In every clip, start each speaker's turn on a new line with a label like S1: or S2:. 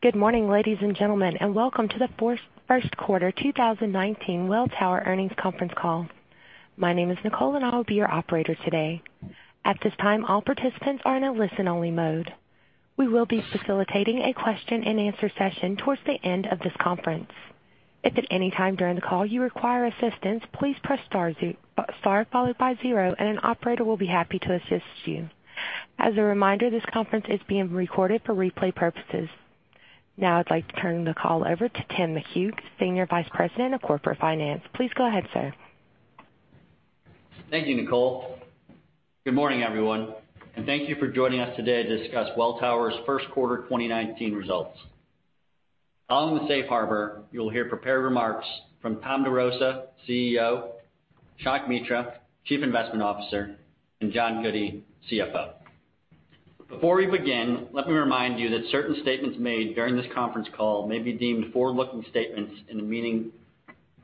S1: Good morning, ladies and gentlemen, welcome to the first quarter 2019 Welltower earnings conference call. My name is Nicole, I will be your operator today. At this time, all participants are in a listen-only mode. We will be facilitating a question-and-answer session towards the end of this conference. If at any time during the call you require assistance, please press star followed by zero, and an operator will be happy to assist you. As a reminder, this conference is being recorded for replay purposes. Now I'd like to turn the call over to Tim McHugh, Senior Vice President of Corporate Finance. Please go ahead, sir.
S2: Thank you, Nicole. Good morning, everyone, and thank you for joining us today to discuss Welltower's first quarter 2019 results. Following the Safe Harbor, you will hear prepared remarks from Thomas DeRosa, CEO, Shankh Mitra, Chief Investment Officer, and John Goodey, CFO. Before we begin, let me remind you that certain statements made during this conference call may be deemed forward-looking statements in the meaning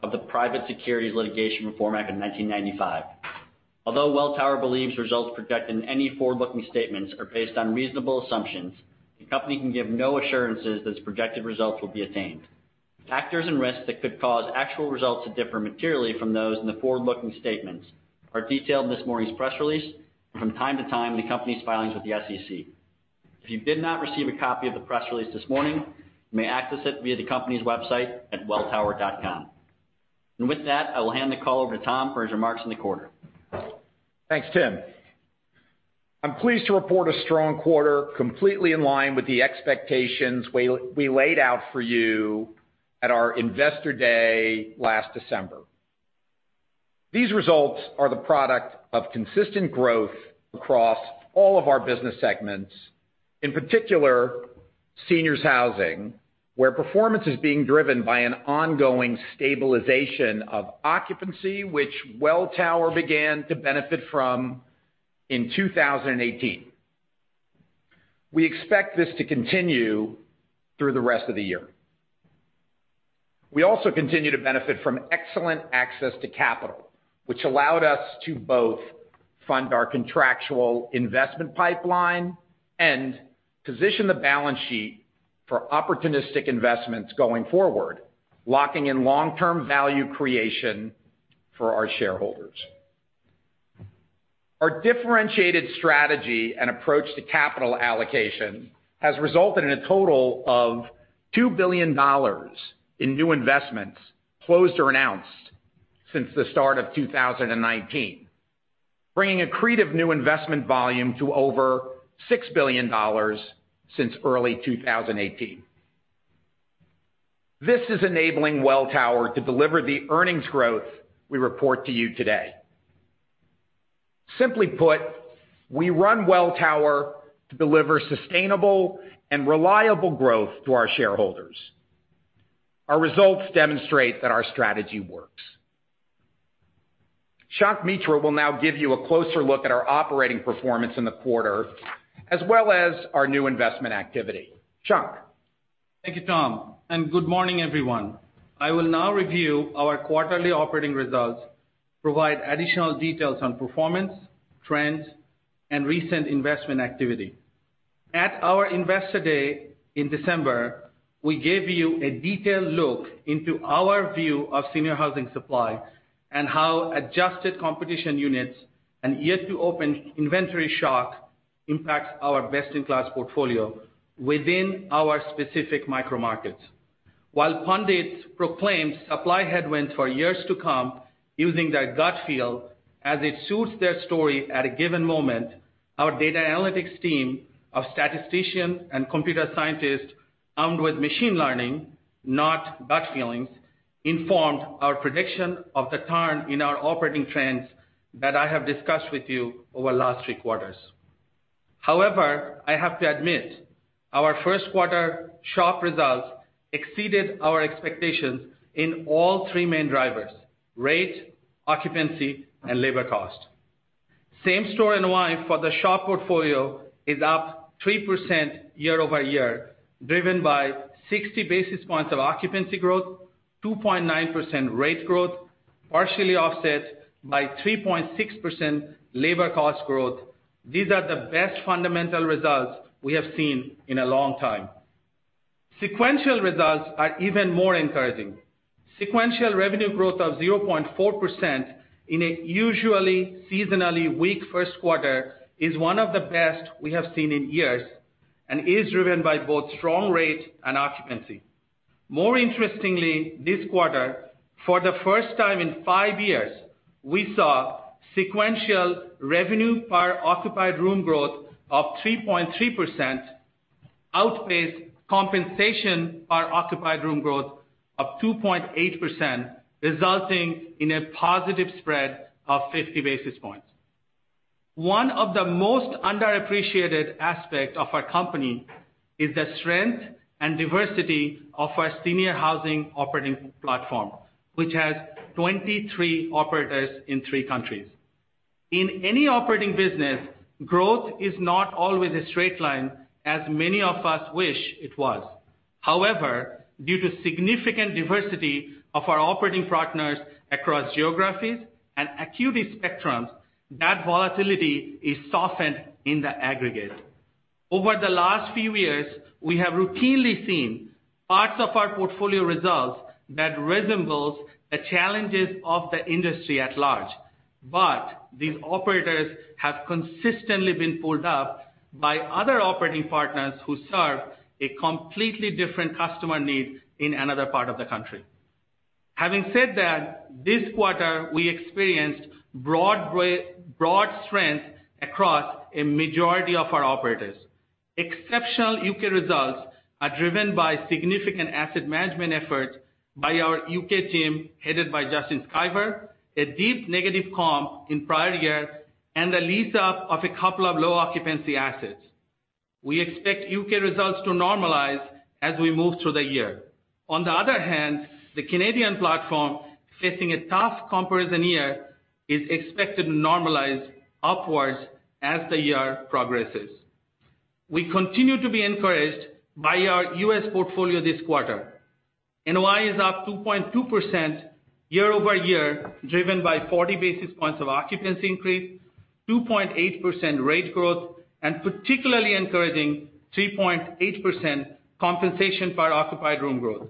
S2: of the Private Securities Litigation Reform Act of 1995. Although Welltower believes results protected in any forward-looking statements are based on reasonable assumptions, the company can give no assurances that its projected results will be attained. Factors and risks that could cause actual results to differ materially from those in the forward-looking statements are detailed in this morning's press release and from time to time in the company's filings with the SEC. If you did not receive a copy of the press release this morning, you may access it via the company's website at welltower.com. With that, I will hand the call over to Tom for his remarks on the quarter.
S3: Thanks, Tim. I'm pleased to report a strong quarter completely in line with the expectations we laid out for you at our investor day last December. These results are the product of consistent growth across all of our business segments, in particular seniors housing, where performance is being driven by an ongoing stabilization of occupancy, which Welltower began to benefit from in 2018. We expect this to continue through the rest of the year. We also continue to benefit from excellent access to capital, which allowed us to both fund our contractual investment pipeline and position the balance sheet for opportunistic investments going forward, locking in long-term value creation for our shareholders. Our differentiated strategy and approach to capital allocation has resulted in a total of $2 billion in new investments closed or announced since the start of 2019, bringing accretive new investment volume to over $6 billion since early 2018. This is enabling Welltower to deliver the earnings growth we report to you today. Simply put, we run Welltower to deliver sustainable and reliable growth to our shareholders. Our results demonstrate that our strategy works. Shankh Mitra will now give you a closer look at our operating performance in the quarter, as well as our new investment activity. Shank?
S4: Thank you, Tom, and good morning, everyone. I will now review our quarterly operating results, provide additional details on performance, trends, and recent investment activity. At our investor day in December, we gave you a detailed look into our view of senior housing supply and how adjusted competition units and yet-to-open inventory shock impacts our best-in-class portfolio within our specific micro markets. While pundits proclaimed supply headwinds for years to come using their gut feel as it suits their story at a given moment, our data analytics team of statisticians and computer scientists armed with machine learning, not gut feelings, informed our prediction of the turn in our operating trends that I have discussed with you over the last three quarters. However, I have to admit, our first quarter SHOP results exceeded our expectations in all three main drivers, rate, occupancy, and labor cost. Same-store NOI for the SHOP portfolio is up 3% year-over-year, driven by 60 basis points of occupancy growth, 2.9% rate growth, partially offset by 3.6% labor cost growth. These are the best fundamental results we have seen in a long time. Sequential results are even more encouraging. Sequential revenue growth of 0.4% in a usually seasonally weak first quarter is one of the best we have seen in years and is driven by both strong rate and occupancy. More interestingly, this quarter, for the first time in five years, we saw sequential revenue per occupied room growth of 3.3% outpace compensation per occupied room growth of 2.8%, resulting in a positive spread of 50 basis points. One of the most underappreciated aspects of our company is the strength and diversity of our senior housing operating platform, which has 23 operators in three countries. In any operating business, growth is not always a straight line as many of us wish it was. Due to significant diversity of our operating partners across geographies and acuity spectrums, that volatility is softened in the aggregate. Over the last few years, we have routinely seen parts of our portfolio results that resembles the challenges of the industry at large. These operators have consistently been pulled up by other operating partners who serve a completely different customer needs in another part of the country. Having said that, this quarter, we experienced broad strength across a majority of our operators. Exceptional U.K. results are driven by significant asset management efforts by our U.K. team, headed by Justin Skiver, a deep negative comp in prior years, and the lease up of a couple of low occupancy assets. We expect U.K. results to normalize as we move through the year. On the other hand, the Canadian platform, facing a tough comparison year, is expected to normalize upwards as the year progresses. We continue to be encouraged by our U.S. portfolio this quarter. NOI is up 2.2% year-over-year, driven by 40 basis points of occupancy increase, 2.8% rate growth and particularly encouraging 3.8% compensation per occupied room growth.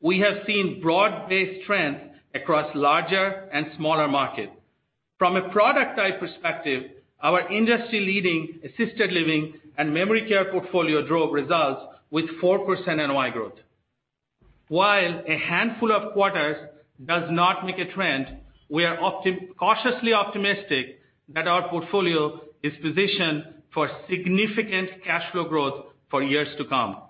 S4: We have seen broad-based trends across larger and smaller markets. From a product type perspective, our industry leading assisted living and memory care portfolio drove results with 4% NOI growth. While a handful of quarters does not make a trend, we are cautiously optimistic that our portfolio is positioned for significant cash flow growth for years to come.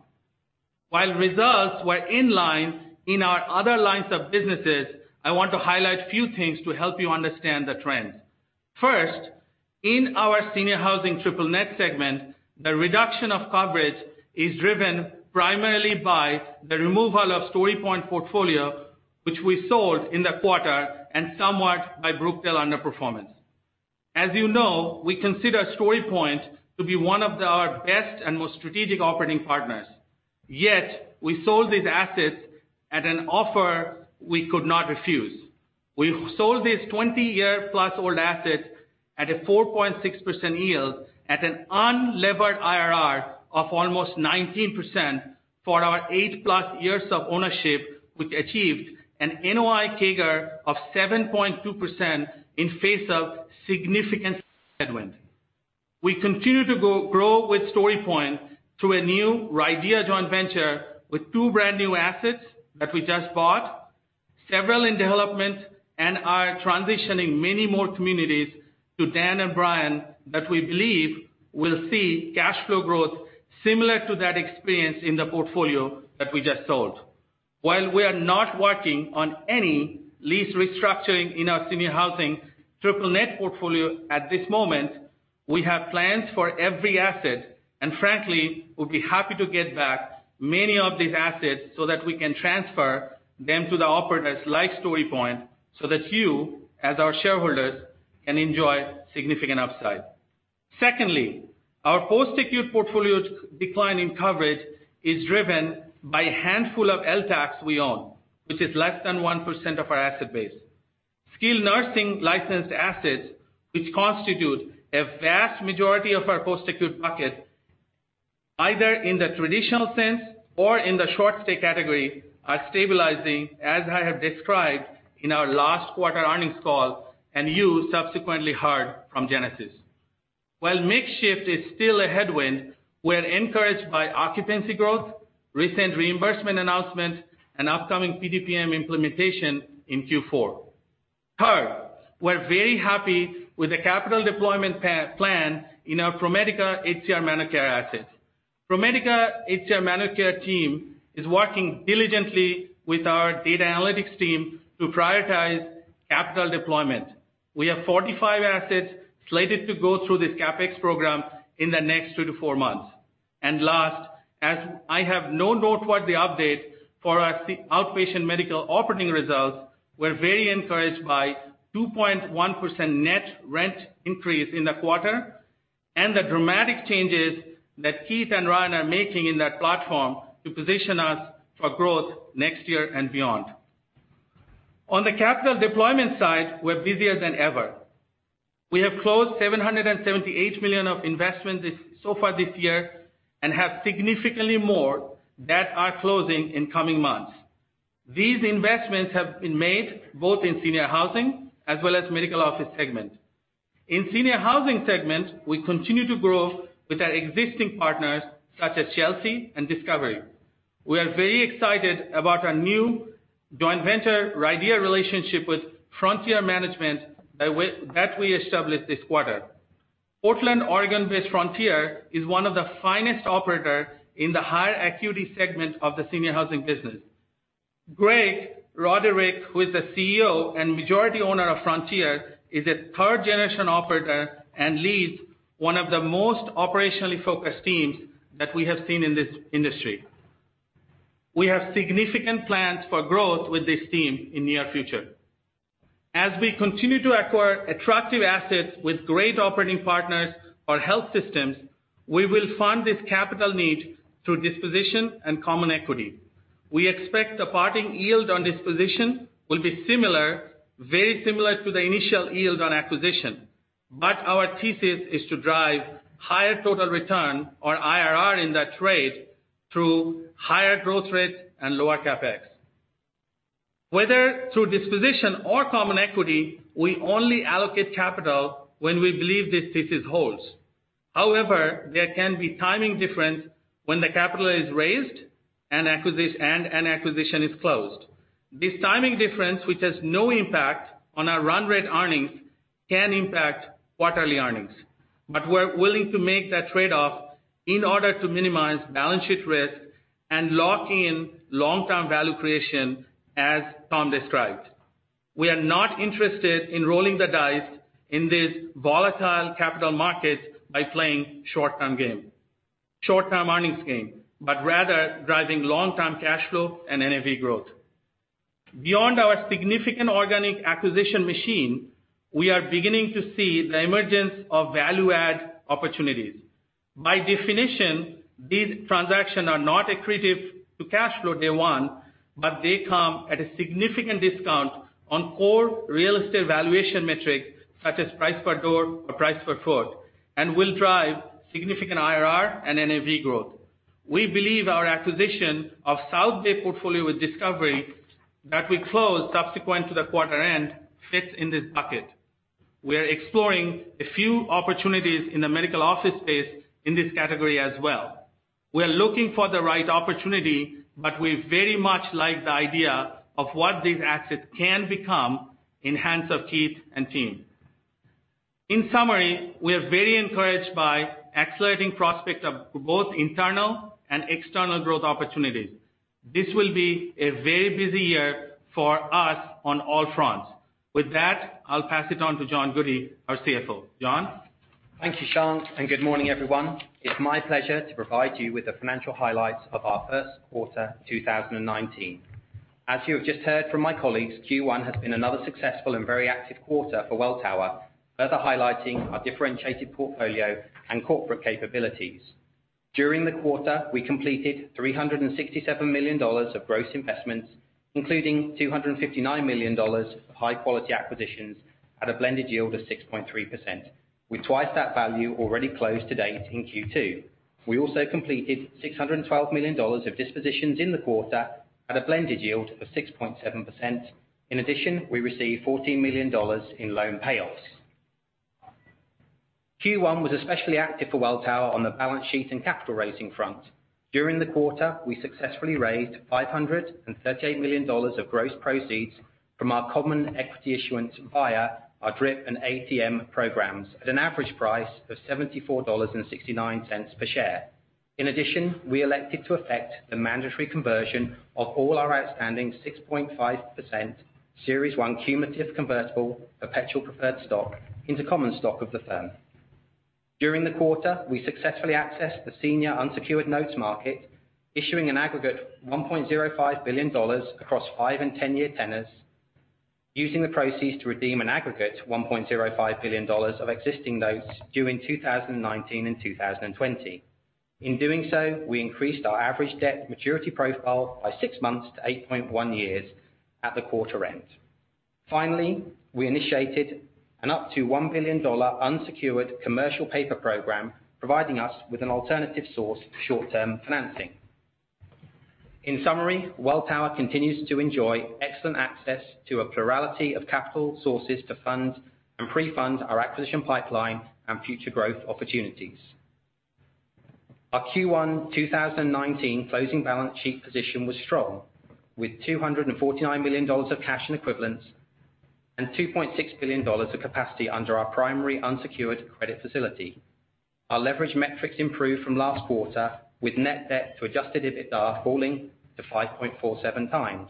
S4: While results were in line in our other lines of businesses, I want to highlight few things to help you understand the trends. First, in our senior housing triple net segment, the reduction of coverage is driven primarily by the removal of StoryPoint portfolio, which we sold in the quarter, and somewhat by Brookdale underperformance. As you know, we consider StoryPoint to be one of our best and most strategic operating partners. Yet we sold these assets at an offer we could not refuse. We sold these 20-year+ old assets at a 4.6% yield at an unlevered IRR of almost 19% for our 8+ years of ownership, which achieved an NOI CAGR of 7.2% in face of significant headwinds. We continue to grow with StoryPoint through a new RIDEA joint venture with two brand new assets that we just bought, several in development and are transitioning many more communities to Dan and Brian that we believe will see cash flow growth similar to that experienced in the portfolio that we just sold. While we are not working on any lease restructuring in our senior housing triple net portfolio at this moment, we have plans for every asset, and frankly, we'll be happy to get back many of these assets so that we can transfer them to the operators like StoryPoint, so that you, as our shareholders, can enjoy significant upside. Secondly, our post-acute portfolio decline in coverage is driven by a handful of LTACs we own, which is less than 1% of our asset base. Skilled nursing licensed assets, which constitute a vast majority of our post-acute bucket, either in the traditional sense or in the short stay category, are stabilizing, as I have described in our last quarter earnings call, and you subsequently heard from Genesis. While mix shift is still a headwind, we're encouraged by occupancy growth, recent reimbursement announcements, and upcoming PDPM implementation in Q4. Third, we're very happy with the capital deployment plan in our ProMedica HCR ManorCare assets. ProMedica HCR ManorCare team is working diligently with our data analytics team to prioritize capital deployment. We have 45 assets slated to go through this CapEx program in the next two to four months. Last, as I have no noteworthy update for our outpatient medical operating results, we're very encouraged by 2.1% net rent increase in the quarter and the dramatic changes that Keith and Ryan are making in that platform to position us for growth next year and beyond. On the capital deployment side, we're busier than ever. We have closed $778 million of investments so far this year and have significantly more that are closing in coming months. These investments have been made both in senior housing as well as medical office segment. In senior housing segment, we continue to grow with our existing partners such as Chelsea and Discovery. We are very excited about our new joint venture RIDEA relationship with Frontier Management that we established this quarter. Portland, Oregon-based Frontier is one of the finest operators in the higher acuity segment of the senior housing business. Greg Roderick, who is the CEO and majority owner of Frontier, is a third-generation operator and leads one of the most operationally focused teams that we have seen in this industry. We have significant plans for growth with this team in near future. As we continue to acquire attractive assets with great operating partners or health systems, we will fund this capital need through disposition and common equity. We expect the parting yield on disposition will be very similar to the initial yield on acquisition. Our thesis is to drive higher total return on IRR in that trade through higher growth rates and lower CapEx. Whether through disposition or common equity, we only allocate capital when we believe this thesis holds. However, there can be timing difference when the capital is raised and an acquisition is closed. This timing difference, which has no impact on our run rate earnings, can impact quarterly earnings. We're willing to make that trade-off in order to minimize balance sheet risk and lock in long-term value creation, as Tom described. We are not interested in rolling the dice in this volatile capital market by playing short-term earnings game, but rather driving long-term cash flow and NAV growth. Beyond our significant organic acquisition machine, we are beginning to see the emergence of value add opportunities. By definition, these transactions are not accretive to cash flow day one, but they come at a significant discount on core real estate valuation metrics, such as price per door or price per foot, and will drive significant IRR and NAV growth. We believe our acquisition of South Bay portfolio with Discovery, that we closed subsequent to the quarter end, fits in this bucket. We are exploring a few opportunities in the medical office space in this category as well. We are looking for the right opportunity, but we very much like the idea of what these assets can become in hands of Keith and team. In summary, we are very encouraged by accelerating prospect of both internal and external growth opportunities. This will be a very busy year for us on all fronts. With that, I'll pass it on to John Goodey, our CFO. John?
S5: Thank you, Shankh, and good morning, everyone. It's my pleasure to provide you with the financial highlights of our first quarter 2019. As you have just heard from my colleagues, Q1 has been another successful and very active quarter for Welltower, further highlighting our differentiated portfolio and corporate capabilities. During the quarter, we completed $367 million of gross investments, including $259 million of high-quality acquisitions at a blended yield of 6.3%, with twice that value already closed to date in Q2. We also completed $612 million of dispositions in the quarter at a blended yield of 6.7%. In addition, we received $14 million in loan payoffs. Q1 was especially active for Welltower on the balance sheet and capital raising front. During the quarter, we successfully raised $538 million of gross proceeds from our common equity issuance via our DRIP and ATM programs at an average price of $74.69 per share. In addition, we elected to effect the mandatory conversion of all our outstanding 6.5% Series I cumulative convertible perpetual preferred stock into common stock of the firm. During the quarter, we successfully accessed the senior unsecured notes market, issuing an aggregate $1.05 billion across five and 10-year tenors, using the proceeds to redeem an aggregate $1.05 billion of existing notes due in 2019 and 2020. In doing so, we increased our average debt maturity profile by six months to 8.1 years at the quarter end. Finally, we initiated an up to $1 billion unsecured commercial paper program, providing us with an alternative source for short-term financing. In summary, Welltower continues to enjoy excellent access to a plurality of capital sources to fund and pre-fund our acquisition pipeline and future growth opportunities. Our Q1 2019 closing balance sheet position was strong, with $249 million of cash and equivalents and $2.6 billion of capacity under our primary unsecured credit facility. Our leverage metrics improved from last quarter, with net debt to adjusted EBITDA falling to 5.47x.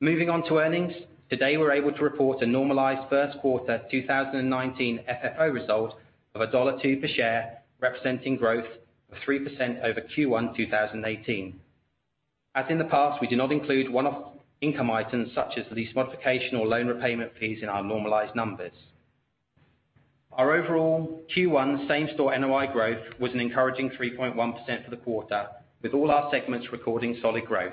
S5: Moving on to earnings. Today, we are able to report a normalized first quarter 2019 FFO result of a $1.02 per share, representing growth of 3% over Q1 2018. As in the past, we do not include one-off income items such as lease modification or loan repayment fees in our normalized numbers. Our overall Q1 same-store NOI growth was an encouraging 3.1% for the quarter, with all our segments recording solid growth.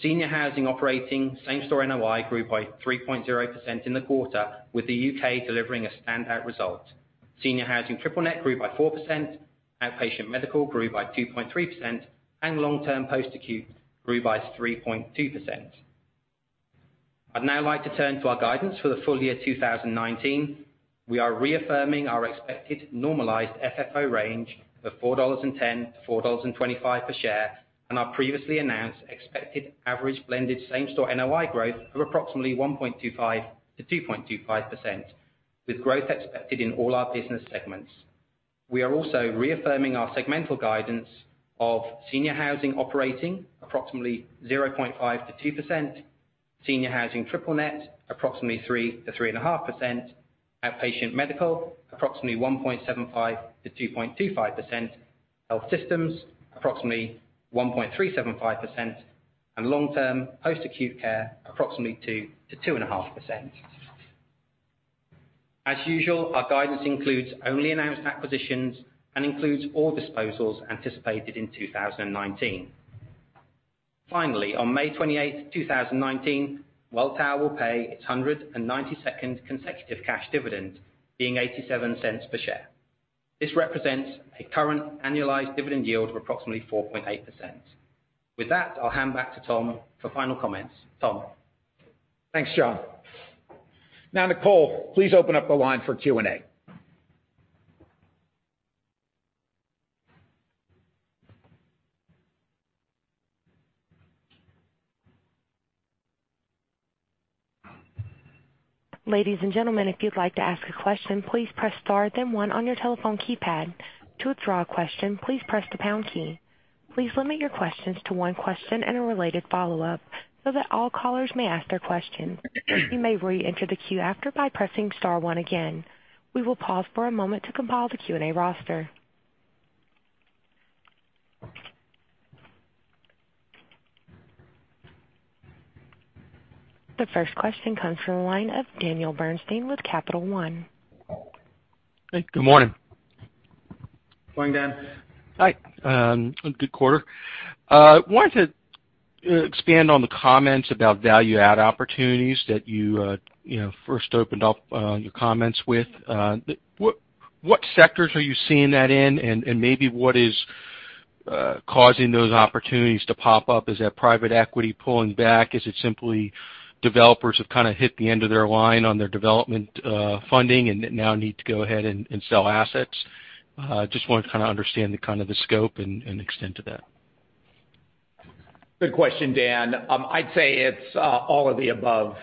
S5: Senior Housing Operating same-store NOI grew by 3.0% in the quarter, with the U.K. delivering a standout result. Senior Housing Triple-Net grew by 4%, Outpatient Medical grew by 2.3%, and Long-Term Post-Acute grew by 3.2%. I'd now like to turn to our guidance for the full year 2019. We are reaffirming our expected normalized FFO range of $4.10 to $4.25 per share and our previously announced expected average blended same-store NOI growth of approximately 1.25% to 2.25%, with growth expected in all our business segments. We are also reaffirming our segmental guidance of Senior Housing Operating approximately 0.5% to 2%, Senior Housing Triple-Net approximately 3% to 3.5%, Outpatient Medical approximately 1.75% to 2.25%, and Health Systems, approximately 1.375%, and Long-Term Post-Acute Care, approximately 2% to 2.5%. As usual, our guidance includes only announced acquisitions and includes all disposals anticipated in 2019. Finally, on May 28th, 2019, Welltower will pay its 192nd consecutive cash dividend, being $0.87 per share. This represents a current annualized dividend yield of approximately 4.8%. With that, I'll hand back to Tom for final comments. Tom?
S3: Thanks, John. Nicole, please open up the line for Q&A.
S1: Ladies and gentlemen, if you'd like to ask a question, please press star then one on your telephone keypad. To withdraw a question, please press the pound key. Please limit your questions to one question and a related follow-up so that all callers may ask their question. You may re-enter the queue after by pressing star one again. We will pause for a moment to compile the Q&A roster. The first question comes from the line of Daniel Bernstein with Capital One.
S6: Hey, good morning.
S3: Morning, Dan.
S6: Hi. Good quarter. I wanted to expand on the comments about value-add opportunities that you first opened up your comments with. What sectors are you seeing that in, and maybe what is causing those opportunities to pop up? Is that private equity pulling back? Is it simply developers have kind of hit the end of their line on their development funding and now need to go ahead and sell assets? I just want to kind of understand the scope and extent of that.
S3: Good question, Dan. I'd say it's all of the above.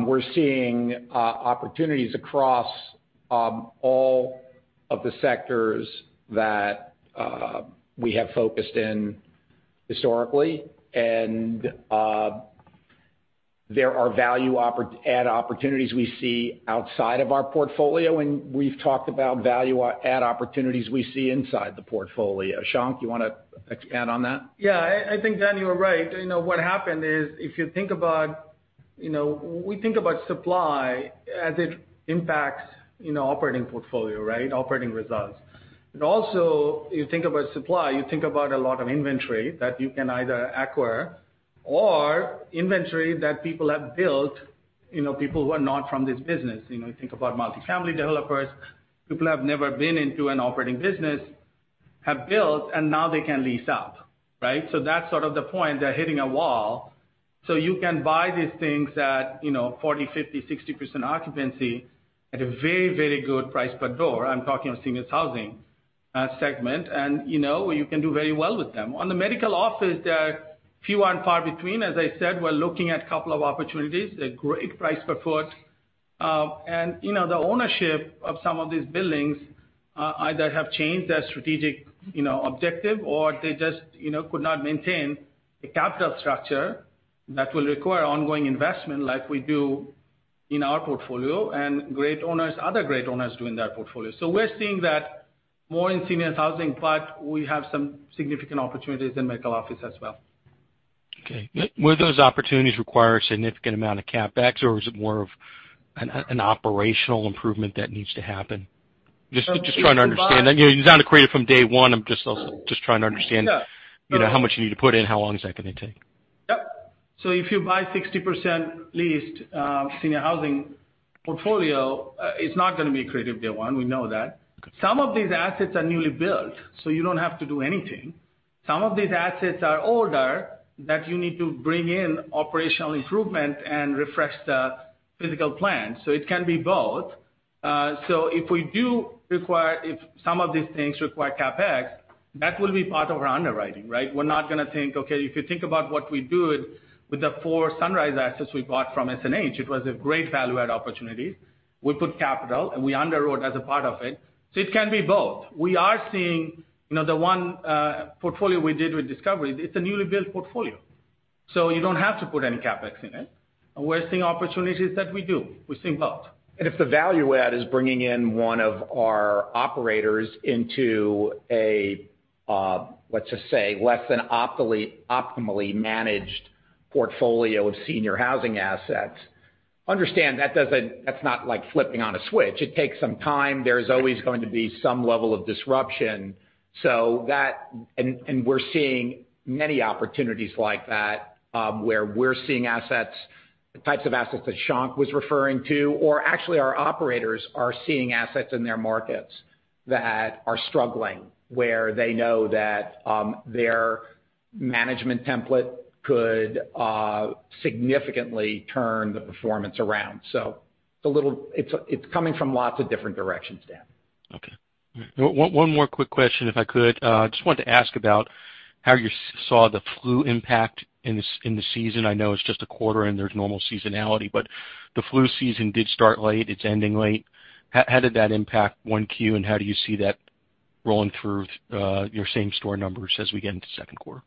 S3: We're seeing opportunities across all of the sectors that we have focused in historically. There are value add opportunities we see outside of our portfolio. We've talked about value add opportunities we see inside the portfolio. Shankh, you want to expand on that?
S4: Yeah. I think, Dan, you are right. What happened is, if you think about supply as it impacts operating portfolio, operating results. You think about supply, you think about a lot of inventory that you can either acquire or inventory that people have built, people who are not from this business. You think about multi-family developers, people who have never been into an operating business, have built and now they can lease out, right? That's sort of the point. They're hitting a wall. You can buy these things at 40%, 50%, 60% occupancy at a very, very good price per door. I'm talking of seniors housing segment. You can do very well with them. On the medical office, they're few and far between. As I said, we're looking at couple of opportunities at great price per foot. The ownership of some of these buildings, either have changed their strategic objective or they just could not maintain the capital structure that will require ongoing investment like we do in our portfolio. Other great owners do in their portfolio. We're seeing that more in senior housing. We have some significant opportunities in medical office as well.
S6: Okay. Would those opportunities require a significant amount of CapEx, or is it more of an operational improvement that needs to happen? Just trying to understand. It's not accretive from day one. I'm just trying to understand how much you need to put in, how long is that going to take?
S4: Yep. If you buy 60% leased senior housing portfolio, it's not going to be accretive day one. We know that.
S6: Okay.
S4: Some of these assets are newly built, you don't have to do anything. Some of these assets are older that you need to bring in operational improvement and refresh the physical plan. It can be both. If some of these things require CapEx, that will be part of our underwriting. We're not going to think, okay, if you think about what we do with the four Sunrise assets we bought from SNH, it was a great value add opportunity. We put capital, and we underwrote as a part of it. It can be both. We are seeing the one portfolio we did with Discovery, it's a newly built portfolio. You don't have to put any CapEx in it. We're seeing opportunities that we do. We're seeing both.
S3: If the value add is bringing in one of our operators into a, let's just say, less than optimally managed portfolio of senior housing assets, understand that's not like flipping on a switch. It takes some time. There's always going to be some level of disruption. We're seeing many opportunities like that, where we're seeing types of assets that Shankh was referring to, or actually our operators are seeing assets in their markets that are struggling, where they know that their management template could significantly turn the performance around. It's coming from lots of different directions, Dan.
S6: Okay. One more quick question, if I could. Just wanted to ask about how you saw the flu impact in the season. I know it's just a quarter and there's normal seasonality, but the flu season did start late. It's ending late. How did that impact 1Q, and how do you see that rolling through your same store numbers as we get into second quarter?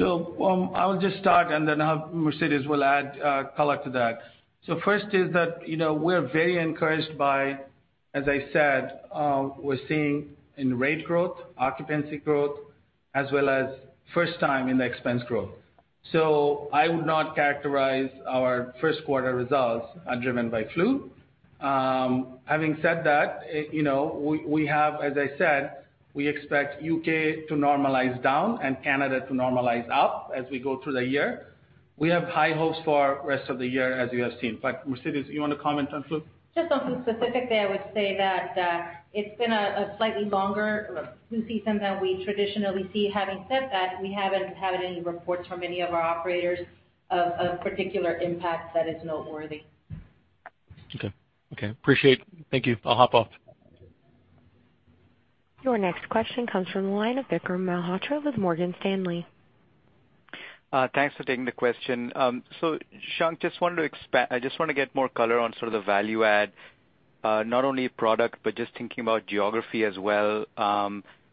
S4: I'll just start, and then Mercedes will add color to that. First is that we're very encouraged by, as I said, we're seeing in rate growth, occupancy growth, as well as first time in the expense growth. I would not characterize our first quarter results are driven by flu. Having said that, as I said, we expect U.K. to normalize down and Canada to normalize up as we go through the year. We have high hopes for rest of the year as you have seen. Mercedes, you want to comment on flu?
S7: Just on flu specifically, I would say that it's been a slightly longer flu season than we traditionally see. Having said that, we haven't had any reports from any of our operators of a particular impact that is noteworthy.
S6: Okay. Appreciate it. Thank you. I'll hop off.
S1: Your next question comes from the line of Vikram Malhotra with Morgan Stanley.
S8: Thanks for taking the question. Shankh, I just want to get more color on sort of the value add, not only product, but just thinking about geography as well.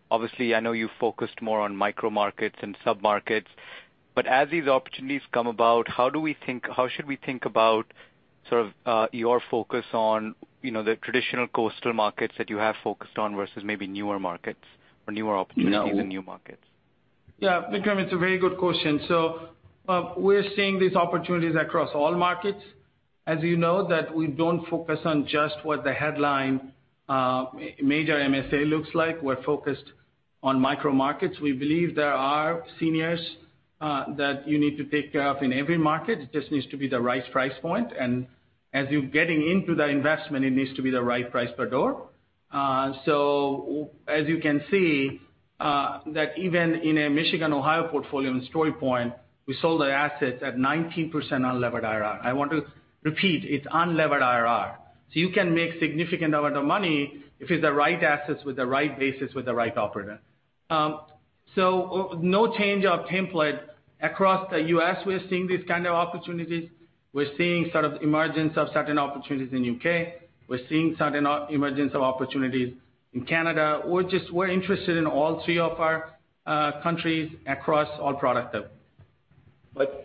S8: Obviously, I know you focused more on micro markets and sub-markets, but as these opportunities come about, how should we think about sort of your focus on the traditional coastal markets that you have focused on versus maybe newer markets or newer opportunities and new markets?
S4: Yeah. Vikram, it's a very good question. We're seeing these opportunities across all markets. As you know that we don't focus on just what the headline major MSA looks like. We're focused on micro markets. We believe there are seniors that you need to take care of in every market. It just needs to be the right price point. As you're getting into the investment, it needs to be the right price per door. As you can see, that even in a Michigan, Ohio portfolio in StoryPoint, we sold the assets at 19% unlevered IRR. I want to repeat, it's unlevered IRR. You can make significant amount of money if it's the right assets with the right basis, with the right operator. No change of template. Across the U.S., we are seeing these kind of opportunities. We're seeing sort of emergence of certain opportunities in U.K. We're seeing certain emergence of opportunities in Canada. We're interested in all three of our countries across all product type.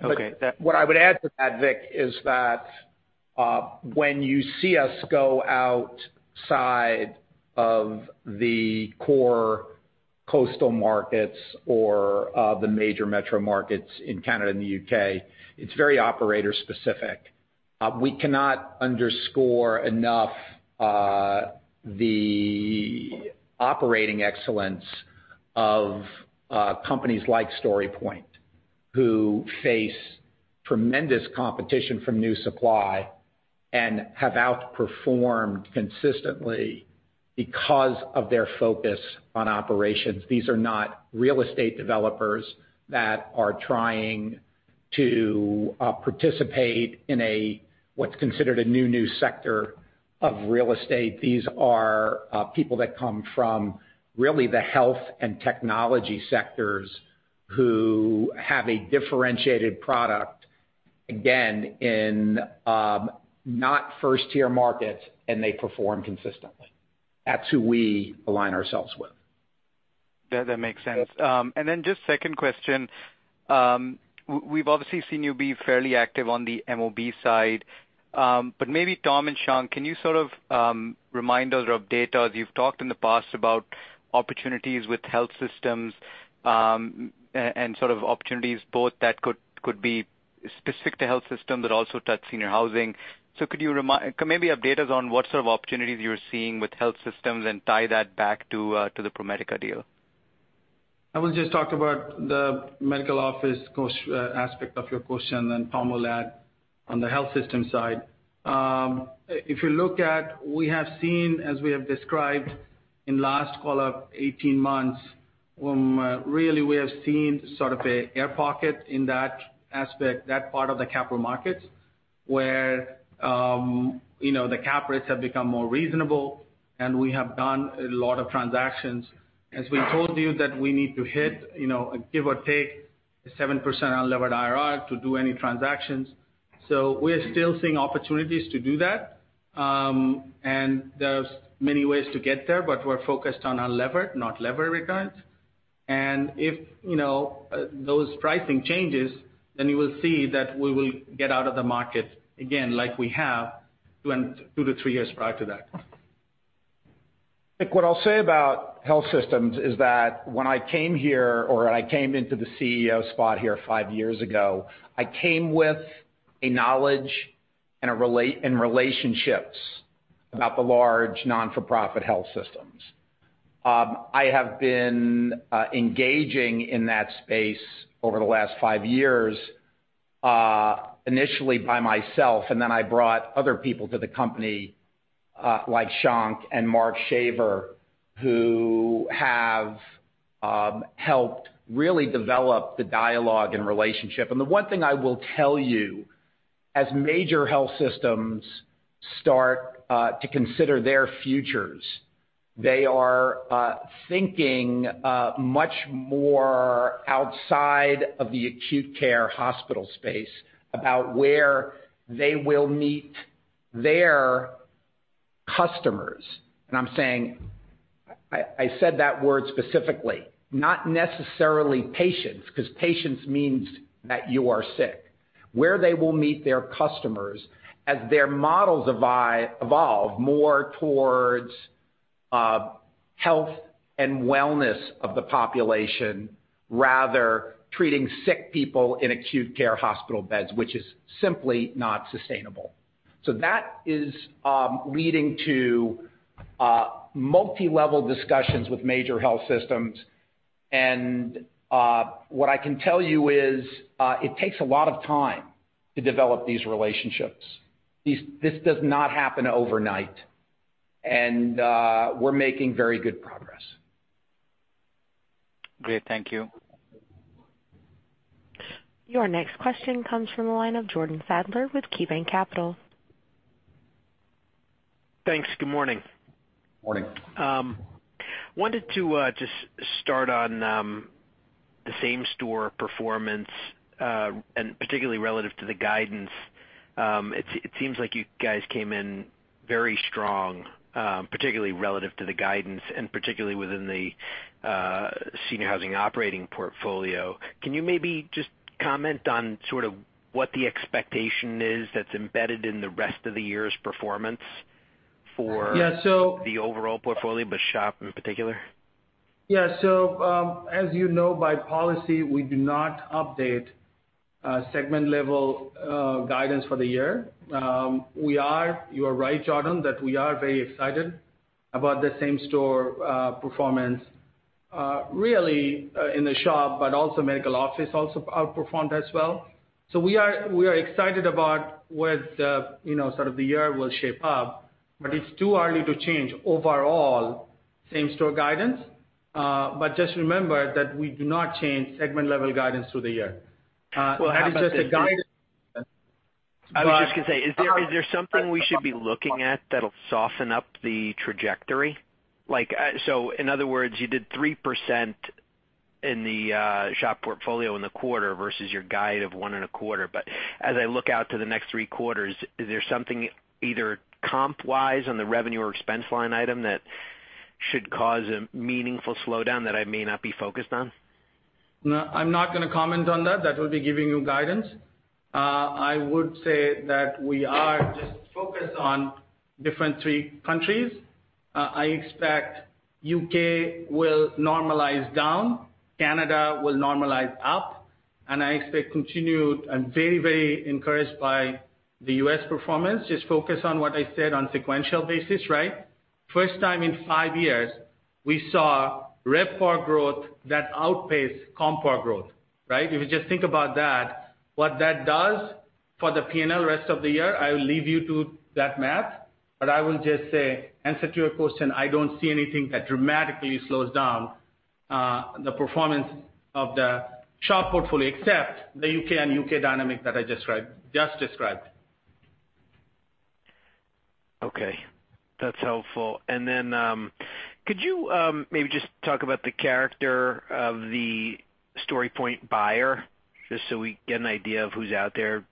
S8: Okay.
S3: What I would add to that, Vikram, is that when you see us go outside of the core coastal markets or the major metro markets in Canada and the U.K., it's very operator specific. We cannot underscore enough the operating excellence of companies like StoryPoint, who face tremendous competition from new supply and have outperformed consistently because of their focus on operations. These are not real estate developers that are trying to participate in a, what's considered a new sector of real estate. These are people that come from really the health and technology sectors who have a differentiated product, again, in not Tier 1 markets, and they perform consistently. That's who we align ourselves with.
S8: That makes sense. Just second question. We've obviously seen you be fairly active on the MOB side. Maybe Tom and Shankh, can you sort of remind us of data? You've talked in the past about opportunities with health systems, and sort of opportunities both that could be specific to health system, but also touch senior housing. Can maybe update us on what sort of opportunities you're seeing with health systems and tie that back to the ProMedica deal?
S4: I will just talk about the medical office aspect of your question. Tom will add on the health system side. We have seen, as we have described in last call of 18 months, really we have seen sort of a air pocket in that aspect, that part of the capital markets, where the cap rates have become more reasonable, and we have done a lot of transactions. As we told you that we need to hit give or take 7% unlevered IRR to do any transactions. We are still seeing opportunities to do that. There's many ways to get there, but we're focused on unlevered, not levered returns. If those pricing changes, then you will see that we will get out of the market again like we have two to three years prior to that.
S3: Vikram, what I'll say about health systems is that when I came here, or I came into the CEO spot here five years ago, I came with a knowledge and relationships about the large non-for-profit health systems. I have been engaging in that space over the last five years, initially by myself, and then I brought other people to the company, like Shankh and Mark Shaver, who have helped really develop the dialogue and relationship. The one thing I will tell you, as major health systems start to consider their futures, they are thinking much more outside of the acute care hospital space about where they will meet their.
S4: Customers, I said that word specifically, not necessarily patients, because patients means that you are sick. Where they will meet their customers as their models evolve more towards health and wellness of the population, rather treating sick people in acute care hospital beds, which is simply not sustainable. That is leading to multi-level discussions with major health systems, what I can tell you is it takes a lot of time to develop these relationships. This does not happen overnight. We're making very good progress.
S8: Great. Thank you.
S1: Your next question comes from the line of Jordan Sadler with KeyBanc Capital.
S9: Thanks. Good morning.
S4: Morning.
S9: Wanted to just start on the same store performance, particularly relative to the guidance. It seems like you guys came in very strong, particularly relative to the guidance and particularly within the Seniors Housing Operating Portfolio. Can you maybe just comment on sort of what the expectation is that's embedded in the rest of the year's performance for-
S4: Yeah.
S9: -the overall portfolio, but SHOP in particular?
S4: Yeah. As you know, by policy, we do not update segment-level guidance for the year. You are right, Jordan, that we are very excited about the same store performance, really in the SHOP, but also medical office also outperformed as well. We are excited about what the sort of the year will shape up, but it's too early to change overall same-store guidance. Just remember that we do not change segment level guidance through the year. That is just a guidance.
S9: I was just going to say, is there something we should be looking at that'll soften up the trajectory? In other words, you did 3% in the SHOP portfolio in the quarter versus your guide of one and a quarter. As I look out to the next three quarters, is there something either comp-wise on the revenue or expense line item that should cause a meaningful slowdown that I may not be focused on?
S4: No, I'm not going to comment on that. That will be giving you guidance. I would say that we are just focused on different three countries. I expect U.K. will normalize down, Canada will normalize up, and I expect continued and very encouraged by the U.S. performance. Just focus on what I said on sequential basis. First time in five years, we saw RevPAR growth that outpaced CompPOR growth. If you just think about that, what that does for the P&L rest of the year, I will leave you to that math, I will just say, answer to your question, I don't see anything that dramatically slows down the performance of the SHOP portfolio except the U.K. and U.K. dynamic that I just described.
S9: Okay, that's helpful. Could you maybe just talk about the character of the StoryPoint buyer, just so we get an idea of who's out there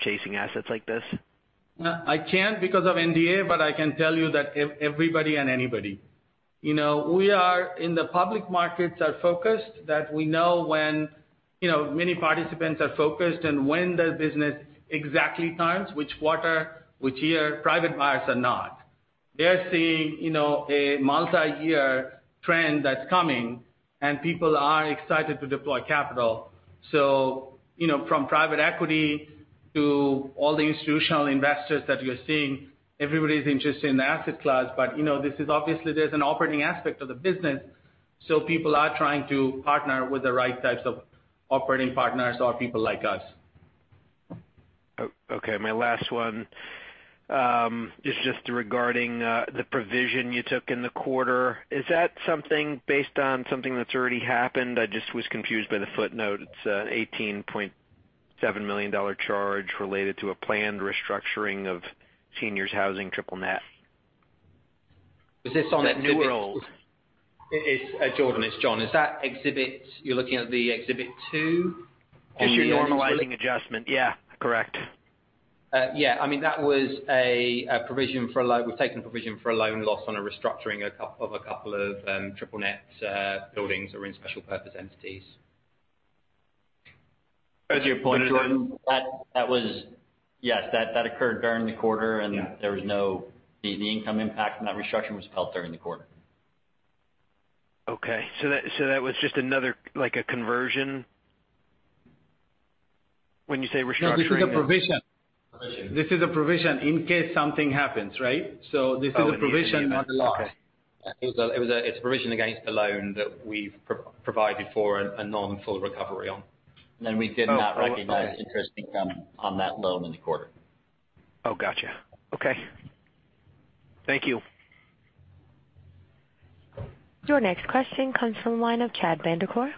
S9: chasing assets like this?
S4: I can't because of NDA, I can tell you that everybody and anybody. In the public markets are focused that we know when many participants are focused and when does business exactly turns, which quarter, which year, private buyers are not. They're seeing a multi-year trend that's coming, and people are excited to deploy capital. From private equity to all the institutional investors that you're seeing, everybody's interested in the asset class. Obviously, there's an operating aspect of the business. People are trying to partner with the right types of operating partners or people like us.
S9: Okay. My last one is just regarding the provision you took in the quarter. Is that something based on something that's already happened? I just was confused by the footnote. It's an $18.7 million charge related to a planned restructuring of senior housing triple net.
S5: Was this on that new-
S4: It's-
S5: Jordan, it's John. You're looking at the Exhibit two?
S9: Just your normalizing adjustment. Yeah, correct.
S5: Yeah. That was a provision for a loan. We've taken a provision for a loan loss on a restructuring of a couple of triple net buildings that were in special purpose entities.
S4: As you pointed-
S2: That was Yes. That occurred during the quarter. There was no. The income impact from that restructuring was felt during the quarter.
S9: Okay. That was just another conversion? When you say restructuring-
S4: No, this is a provision.
S5: Provision.
S4: This is a provision in case something happens. This is a provision, not a loss.
S9: Okay.
S5: It's a provision against a loan that we've provided for a non-full recovery on.
S2: We did not recognize interest income on that loan in the quarter.
S9: Oh, got you. Okay. Thank you.
S1: Your next question comes from the line of Chad Vanacore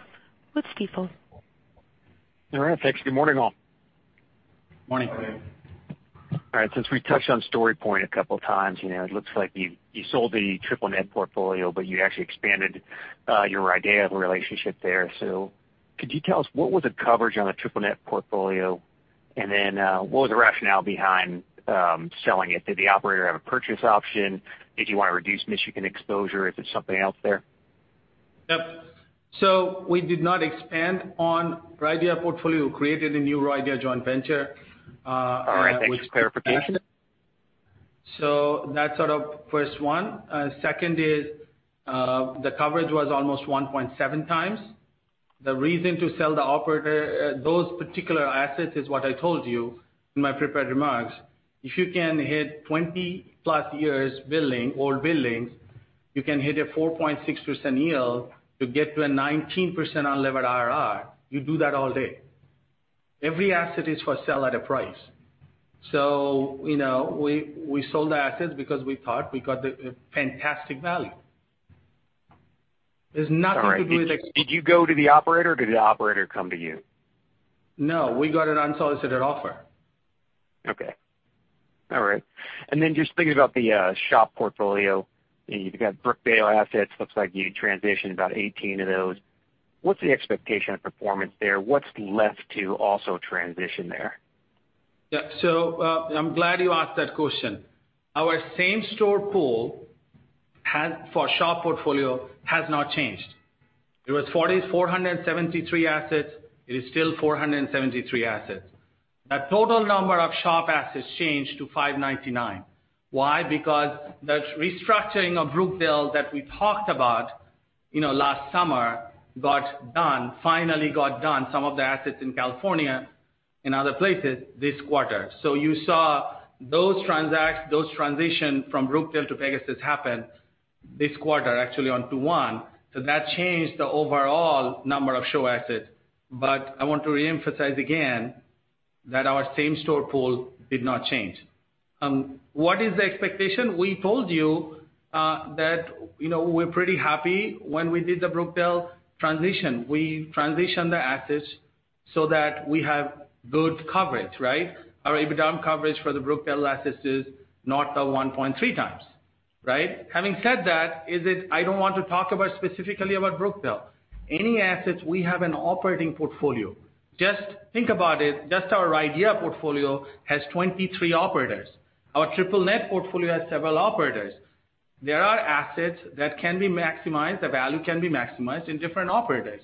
S1: with Stifel.
S10: All right. Thanks. Good morning, all.
S4: Morning.
S2: Morning.
S10: All right. Since we touched on StoryPoint a couple of times, it looks like you sold the triple net portfolio, but you actually expanded your RIDEA relationship there. Could you tell us what was the coverage on a triple net portfolio? And then, what was the rationale behind selling it? Did the operator have a purchase option? Did you want to reduce Michigan exposure? Is it something else there?
S4: Yep. We did not expand on RIDEA portfolio. We created a new RIDEA joint venture.
S10: All right. Thanks for the clarification.
S4: That's sort of first one. Second is, the coverage was almost 1.7x. The reason to sell the operator, those particular assets is what I told you in my prepared remarks. If you can hit 20+ years billing, old billings, you can hit a 4.6% yield to get to a 19% unlevered IRR. You do that all day. Every asset is for sale at a price. We sold the assets because we thought we got a fantastic value. There's nothing to do with the
S10: Sorry. Did you go to the operator or did the operator come to you?
S4: No, we got an unsolicited offer.
S10: Okay. All right. Just thinking about the SHOP portfolio, you've got Brookdale assets, looks like you transitioned about 18 of those. What's the expectation of performance there? What's left to also transition there?
S4: Yeah. I'm glad you asked that question. Our same-store pool for SHOP portfolio has not changed. It was 473 assets, it is still 473 assets. That total number of SHOP assets changed to 599. Why? Because the restructuring of Brookdale that we talked about last summer got done, finally got done, some of the assets in California and other places this quarter. You saw those transition from Brookdale to Vegas just happen this quarter, actually on 2/1. That changed the overall number of SHOP assets. I want to reemphasize again that our same-store pool did not change. What is the expectation? We told you that we're pretty happy when we did the Brookdale transition. We transitioned the assets so that we have good coverage, right? Our EBITDA coverage for the Brookdale assets is not a 1.3x. Right. Having said that, I don't want to talk about specifically about Brookdale. Any assets we have in operating portfolio, just think about it, just our RIDEA portfolio has 23 operators. Our triple net portfolio has several operators. There are assets that can be maximized, the value can be maximized in different operators.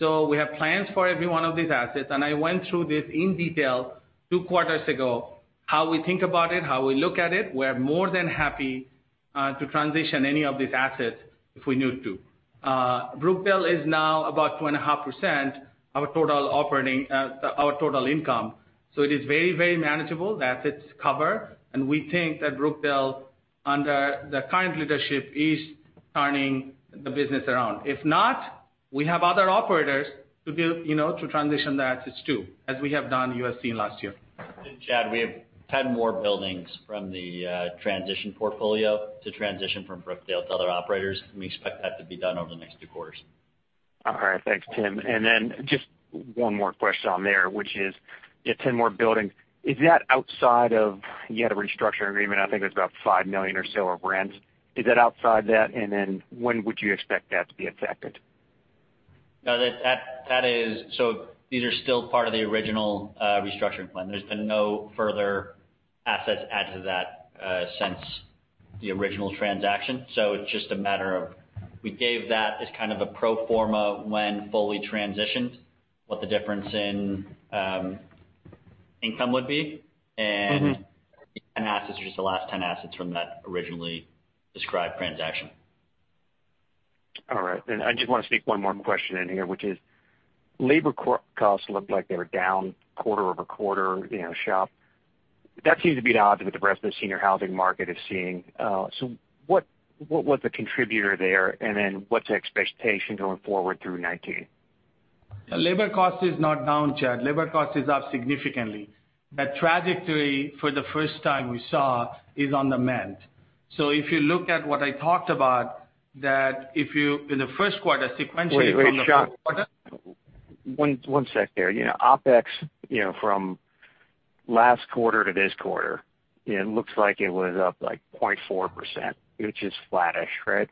S4: We have plans for every one of these assets, and I went through this in detail two quarters ago, how we think about it, how we look at it. We are more than happy to transition any of these assets if we need to. Brookdale is now about 2.5% our total income. It is very, very manageable. The assets cover. We think that Brookdale, under the current leadership, is turning the business around. If not, we have other operators to transition the assets to, as we have done, you have seen last year.
S2: Chad, we have 10 more buildings from the transition portfolio to transition from Brookdale to other operators. We expect that to be done over the next two quarters.
S10: All right. Thanks, Tim. Just one more question on there, which is, you have 10 more buildings. Is that outside of You had a restructuring agreement, I think it was about $5 million or so of rents. Is that outside that? When would you expect that to be affected?
S2: No, these are still part of the original restructuring plan. There's been no further assets added to that since the original transaction. It's just a matter of, we gave that as kind of a pro forma when fully transitioned, what the difference in income would be. The 10 assets are just the last 10 assets from that originally described transaction.
S10: All right. I just want to sneak one more question in here, which is, labor costs looked like they were down quarter-over-quarter, SHOP. That seems to be at odds with the rest of the senior housing market is seeing. What was the contributor there? What's the expectation going forward through 2019?
S4: Labor cost is not down, Chad. Labor cost is up significantly. That trajectory, for the first time we saw, is on the mend. If you look at what I talked about, that if you, in the first quarter, sequentially from the fourth quarter.
S10: Wait, Shankh. One sec there. OpEx from last quarter to this quarter, it looks like it was up like 0.4%, which is flattish, right?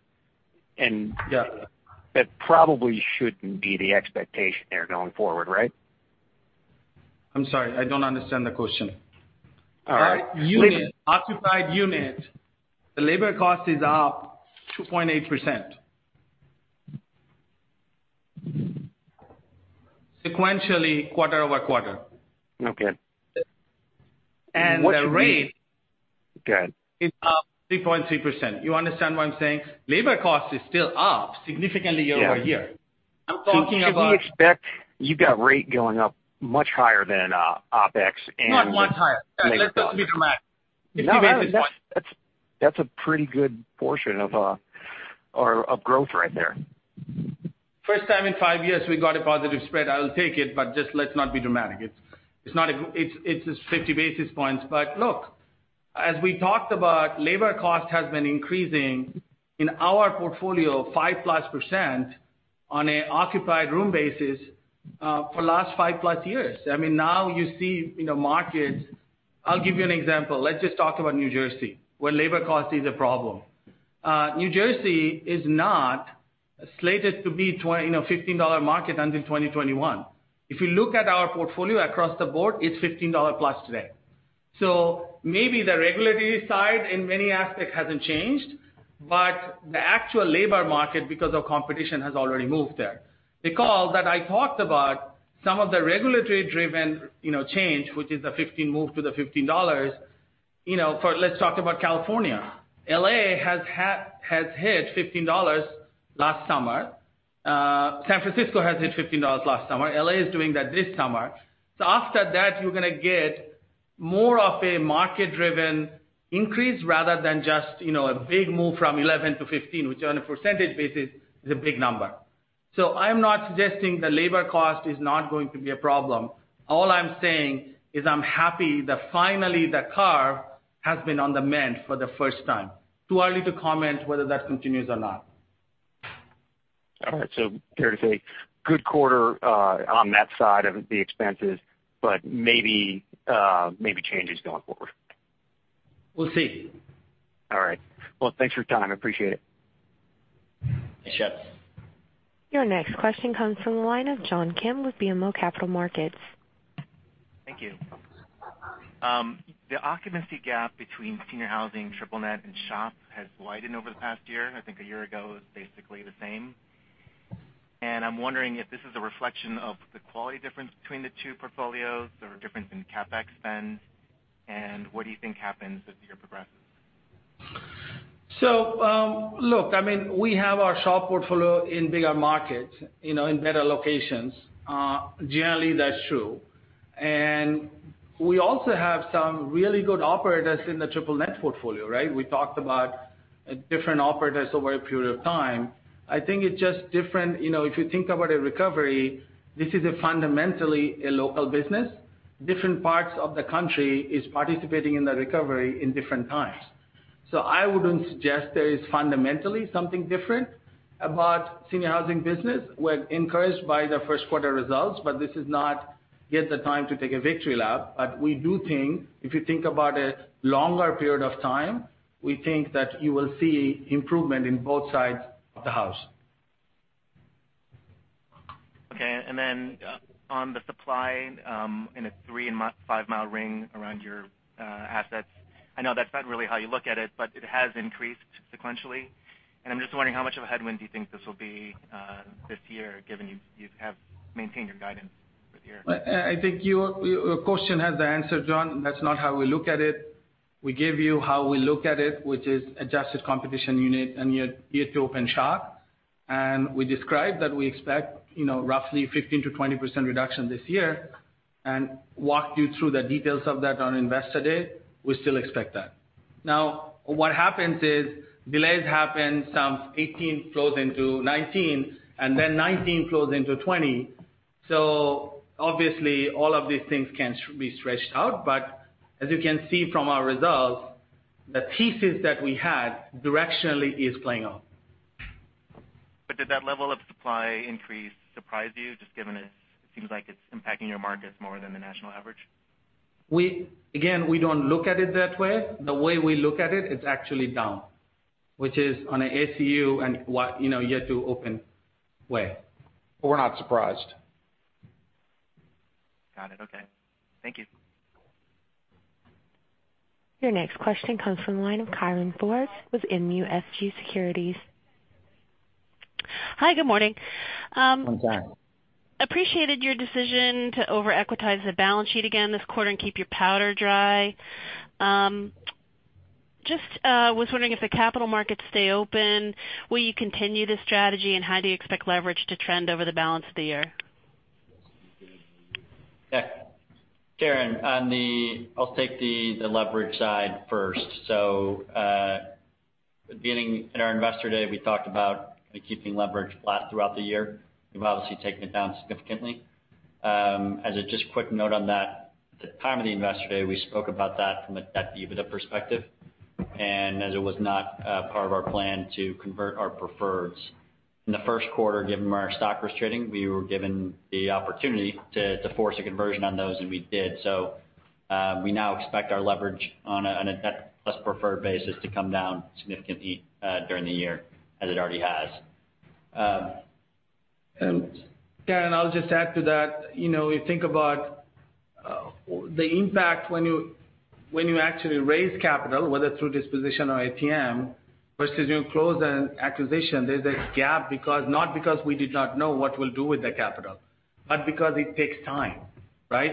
S4: Yeah.
S10: That probably shouldn't be the expectation there going forward, right?
S4: I'm sorry, I don't understand the question.
S10: All right.
S4: By unit, occupied unit, the labor cost is up 2.8%. Sequentially, quarter-over-quarter.
S10: Okay.
S4: The rate-
S10: Go ahead
S4: is up 3.3%. You understand what I'm saying? Labor cost is still up significantly year-over-year.
S10: Yeah.
S4: I'm talking about
S10: Should we expect, you've got rate going up much higher than, OpEx and
S4: Not much higher. Let's not be dramatic.
S10: No, I mean, that's a pretty good portion of growth right there.
S4: First time in five years we got a positive spread. I'll take it, but just let's not be dramatic. It's just 50 basis points. As we talked about, labor cost has been increasing in our portfolio 5+% on an occupied room basis, for last 5+ years. Now you see in the market, I'll give you an example. Let's just talk about New Jersey, where labor cost is a problem. New Jersey is not slated to be a $15 market until 2021. If you look at our portfolio across the board, it's $15+ today. Maybe the regulatory side in many aspects hasn't changed, but the actual labor market, because of competition, has already moved there. The call that I talked about, some of the regulatory-driven change, which is the 15 move to the $15. Let's talk about California. L.A. has hit $15 last summer. San Francisco has hit $15 last summer. L.A. is doing that this summer. After that, you're going to get more of a market-driven increase rather than just a big move from 11 to 15, which on a percentage basis is a big number. I'm not suggesting the labor cost is not going to be a problem. All I'm saying is I'm happy that finally the curve has been on the mend for the first time. Too early to comment whether that continues or not.
S10: All right. Fair to say, good quarter on that side of the expenses, maybe changes going forward.
S4: We'll see.
S10: All right. Well, thanks for your time. I appreciate it.
S4: Thanks, Chad.
S1: Your next question comes from the line of John Kim with BMO Capital Markets.
S11: Thank you. The occupancy gap between senior housing, triple net, and SHOP has widened over the past year. I think a year ago it was basically the same. I'm wondering if this is a reflection of the quality difference between the two portfolios or a difference in CapEx spend, what do you think happens as the year progresses?
S4: So look, we have our SHOP portfolio in bigger markets, in better locations. Generally, that's true. We also have some really good operators in the triple net portfolio, right? We talked about different operators over a period of time. I think it's just different. If you think about a recovery, this is fundamentally a local business. Different parts of the country is participating in the recovery in different times. I wouldn't suggest there is fundamentally something different about senior housing business. We're encouraged by the first quarter results, but this is not yet the time to take a victory lap. We do think, if you think about a longer period of time, we think that you will see improvement in both sides of the house.
S11: On the supply in a three- and five-mile ring around your assets, I know that's not really how you look at it, but it has increased sequentially, and I'm just wondering how much of a headwind do you think this will be this year, given you have maintained your guidance for the year?
S5: I think your question has the answer, John. That's not how we look at it. We gave you how we look at it, which is adjusted competition unit and year to open SHOP. We described that we expect roughly 15%-20% reduction this year and walked you through the details of that on Investor Day. We still expect that. What happens is delays happen, some 2018 flows into 2019, and then 2019 flows into 2020. Obviously all of these things can be stretched out, but as you can see from our results, the thesis that we had directionally is playing out.
S11: Did that level of supply increase surprise you, just given it seems like it's impacting your markets more than the national average?
S4: We don't look at it that way. The way we look at it's actually down, which is on an ACU and yet to open way. We're not surprised.
S11: Got it. Okay. Thank you.
S1: Your next question comes from the line of Karin Ford with MUFG Securities.
S12: Hi, good morning.
S4: Hi, Karin.
S12: Appreciated your decision to over-equitize the balance sheet again this quarter and keep your powder dry. Was wondering if the capital markets stay open, will you continue this strategy, and how do you expect leverage to trend over the balance of the year?
S5: Karin, I'll take the leverage side first. At the beginning in our Investor Day, we talked about keeping leverage flat throughout the year. We've obviously taken it down significantly. As a just quick note on that, at the time of the Investor Day, we spoke about that from a debt-EBITDA perspective and as it was not part of our plan to convert our preferreds. In the first quarter, given where our stock was trading, we were given the opportunity to force a conversion on those, and we did. We now expect our leverage on a debt plus preferred basis to come down significantly during the year as it already has.
S4: Karin, I'll just add to that. If you think about the impact when you actually raise capital, whether through disposition or ATM, versus you close an acquisition, there's a gap, not because we did not know what we will do with the capital, but because it takes time, right?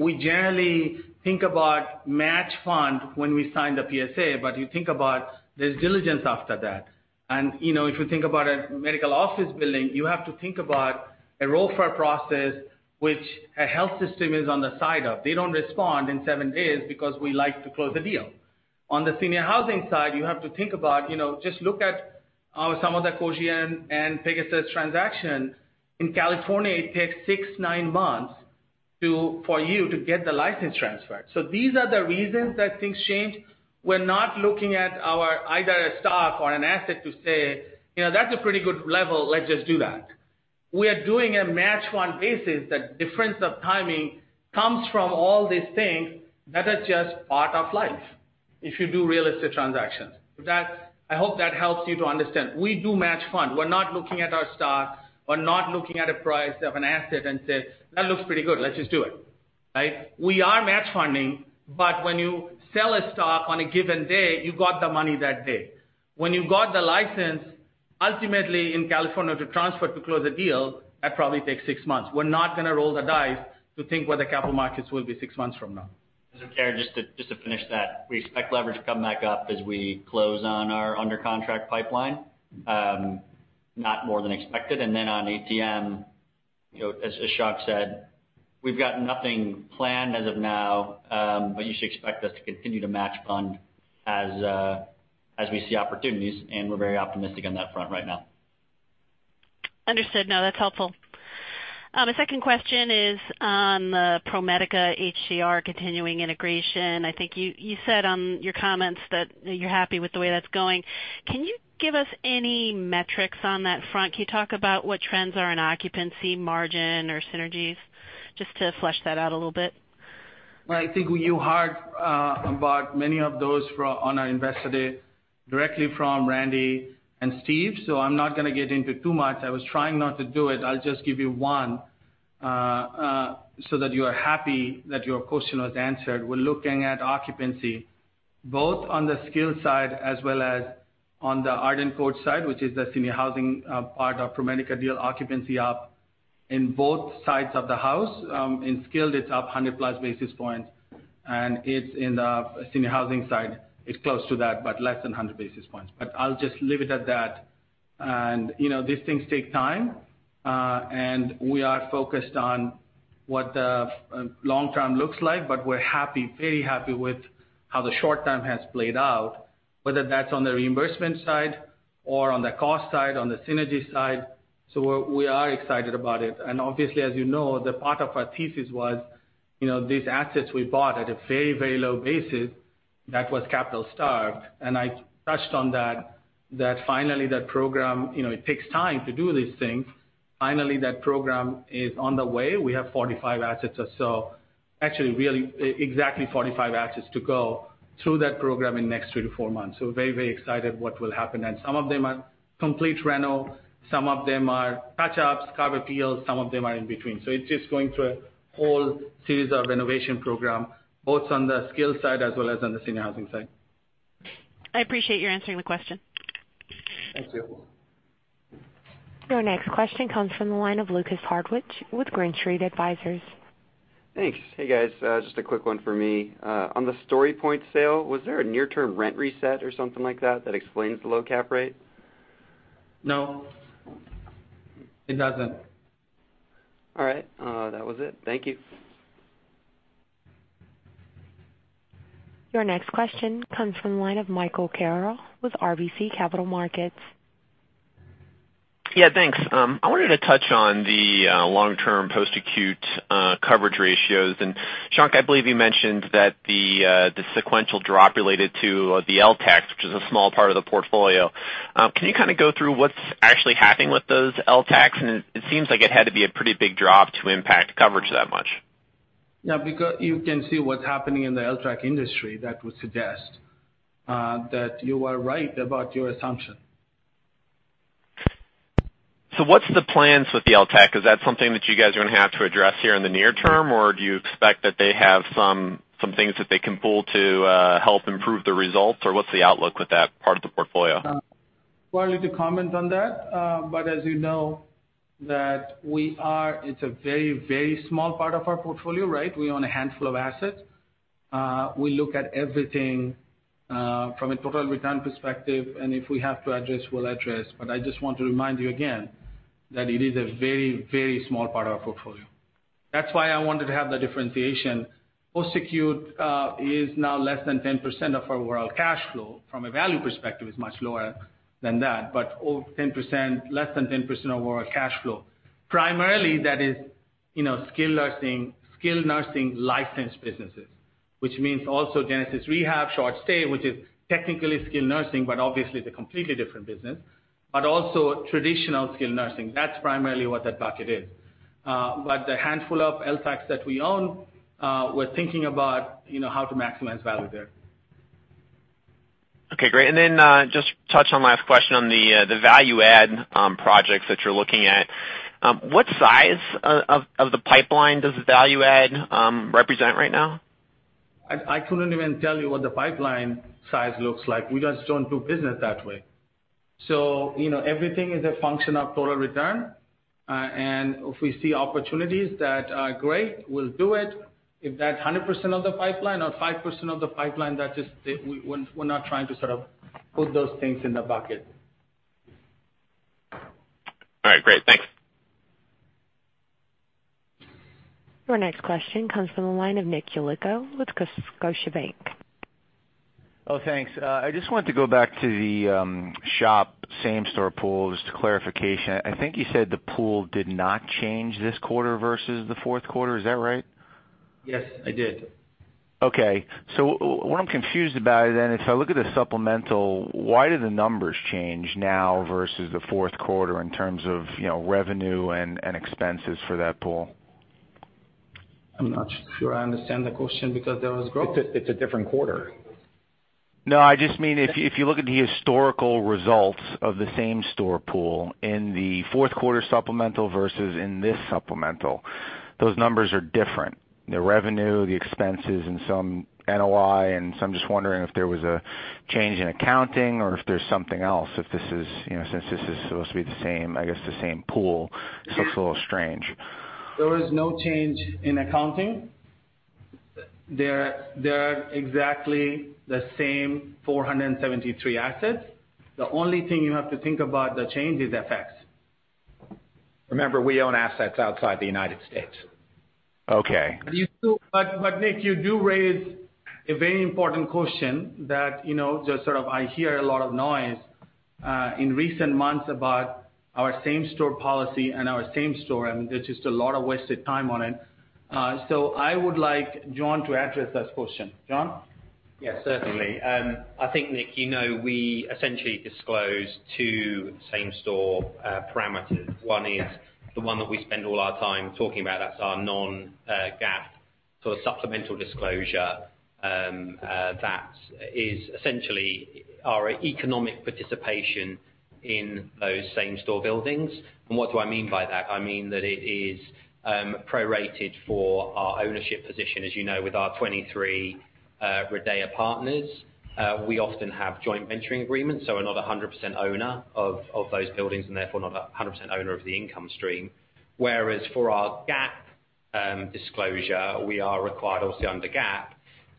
S4: We generally think about match fund when we sign the PSA, but you think about there's diligence after that. If you think about a medical office building, you have to think about a role for a process which a health system is on the side of. They do not respond in seven days because we like to close the deal. On the senior housing side, you have to think about, just look at some of the Cogir and Pegasus transactions. In California, it takes six, nine months for you to get the license transferred. These are the reasons that things change. We are not looking at either a stock or an asset to say, "That's a pretty good level. Let's just do that." We are doing a match fund basis. The difference of timing comes from all these things that are just part of life if you do real estate transactions. I hope that helps you to understand. We do match fund. We are not looking at our stock. We are not looking at a price of an asset and say, "That looks pretty good. Let's just do it." We are match funding. When you sell a stock on a given day, you got the money that day. When you got the license, ultimately, in California to transfer to close a deal, that probably takes six months. We are not going to roll the dice to think where the capital markets will be six months from now.
S2: Mr. Chair, just to finish that, we expect leverage to come back up as we close on our under contract pipeline, not more than expected. On ATM, as Shankh said, we have got nothing planned as of now. You should expect us to continue to match fund as we see opportunities, and we are very optimistic on that front right now.
S12: Understood. That's helpful. A second question is on the ProMedica HCR continuing integration. I think you said on your comments that you are happy with the way that's going. Can you give us any metrics on that front? Can you talk about what trends are in occupancy, margin, or synergies? Just to flesh that out a little bit.
S4: I think you heard about many of those on our investor day directly from Randy and Steve, so I'm not going to get into too much. I was trying not to do it. I'll just give you one, so that you are happy that your question was answered. We're looking at occupancy, both on the skilled side as well as on the Arden Courts side, which is the senior housing part of ProMedica deal occupancy up in both sides of the house. In skilled, it's up 100+ basis points, and it's in the senior housing side, it's close to that, but less than 100 basis points. I'll just leave it at that. These things take time, and we are focused on what the long term looks like, but we're very happy with how the short term has played out, whether that's on the reimbursement side or on the cost side, on the synergy side. We are excited about it. Obviously, as you know, the part of our thesis was, these assets we bought at a very low basis that was capital-starved. I touched on that finally that program, it takes time to do these things. Finally, that program is on the way. We have 45 assets or so. Actually, exactly 45 assets to go through that program in the next three to four months. Very excited what will happen. Some of them are complete reno, some of them are touch-ups, carpet deals, some of them are in between. It's just going through a whole series of renovation program, both on the skilled side as well as on the senior housing side.
S12: I appreciate you answering the question.
S4: Thank you.
S1: Your next question comes from the line of Lukas Hartwich with Green Street Advisors.
S13: Thanks. Hey, guys. Just a quick one for me. On the StoryPoint sale, was there a near-term rent reset or something like that that explains the low cap rate?
S4: No, it doesn't.
S13: All right. That was it. Thank you.
S1: Your next question comes from the line of Michael Carroll with RBC Capital Markets.
S14: Yeah, thanks. I wanted to touch on the long-term post-acute coverage ratios. Shank, I believe you mentioned that the sequential drop related to the LTACs, which is a small part of the portfolio. Can you go through what's actually happening with those LTACs? It seems like it had to be a pretty big drop to impact coverage that much.
S4: Yeah, you can see what's happening in the LTAC industry, that would suggest that you are right about your assumption.
S14: What's the plans with the LTAC? Is that something that you guys are going to have to address here in the near term, or do you expect that they have some things that they can pull to help improve the results, or what's the outlook with that part of the portfolio?
S4: I need to comment on that. As you know that it's a very small part of our portfolio, right? We own a handful of assets. We look at everything, from a total return perspective, and if we have to address, we'll address. I just want to remind you again that it is a very small part of our portfolio. That's why I wanted to have the differentiation. Post-acute is now less than 10% of our overall cash flow. From a value perspective, it's much lower than that. Less than 10% of our cash flow. Primarily, that is skilled nursing licensed businesses, which means also Genesis Rehab, short stay, which is technically skilled nursing, but obviously, it's a completely different business, but also traditional skilled nursing. That's primarily what that bucket is. The handful of LTACs that we own, we're thinking about how to maximize value there.
S14: Great. Then, just touch on last question on the value add projects that you're looking at. What size of the pipeline does value add represent right now?
S4: I couldn't even tell you what the pipeline size looks like. We just don't do business that way. Everything is a function of total return. If we see opportunities that are great, we'll do it. If that's 100% of the pipeline or 5% of the pipeline, we're not trying to sort of put those things in the bucket.
S14: All right. Great. Thanks.
S1: Your next question comes from the line of Nick Yulico with Scotiabank.
S15: Thanks. I just wanted to go back to the SHOP same-store pools to clarification. I think you said the pool did not change this quarter versus the fourth quarter. Is that right?
S4: Yes, I did.
S15: Okay. What I'm confused about then, if I look at the supplemental, why do the numbers change now versus the fourth quarter in terms of revenue and expenses for that pool?
S4: I'm not sure I understand the question because there was growth.
S3: It's a different quarter.
S15: I just mean if you look at the historical results of the same-store pool in the fourth quarter supplemental versus in this supplemental, those numbers are different. The revenue, the expenses, and some NOI. I'm just wondering if there was a change in accounting or if there's something else. Since this is supposed to be the same pool, it's a little strange.
S4: There was no change in accounting. There are exactly the same 473 assets. The only thing you have to think about the change is FX.
S3: Remember, we own assets outside the United States.
S15: Okay.
S4: Nick, you do raise a very important question that just sort of, I hear a lot of noise, in recent months about our same-store policy and our same store, there's just a lot of wasted time on it. I would like John to address this question. John?
S5: Yes, certainly. I think Nick, you know, we essentially disclose two same-store parameters. One is the one that we spend all our time talking about. That's our non-GAAP sort of supplemental disclosure, that is essentially our economic participation in those same-store buildings. What do I mean by that? I mean that it is prorated for our ownership position. As you know, with our 23 RIDEA partners, we often have joint venturing agreements, so we're not 100% owner of those buildings and therefore not 100% owner of the income stream. Whereas for our GAAP disclosure, we are required obviously under GAAP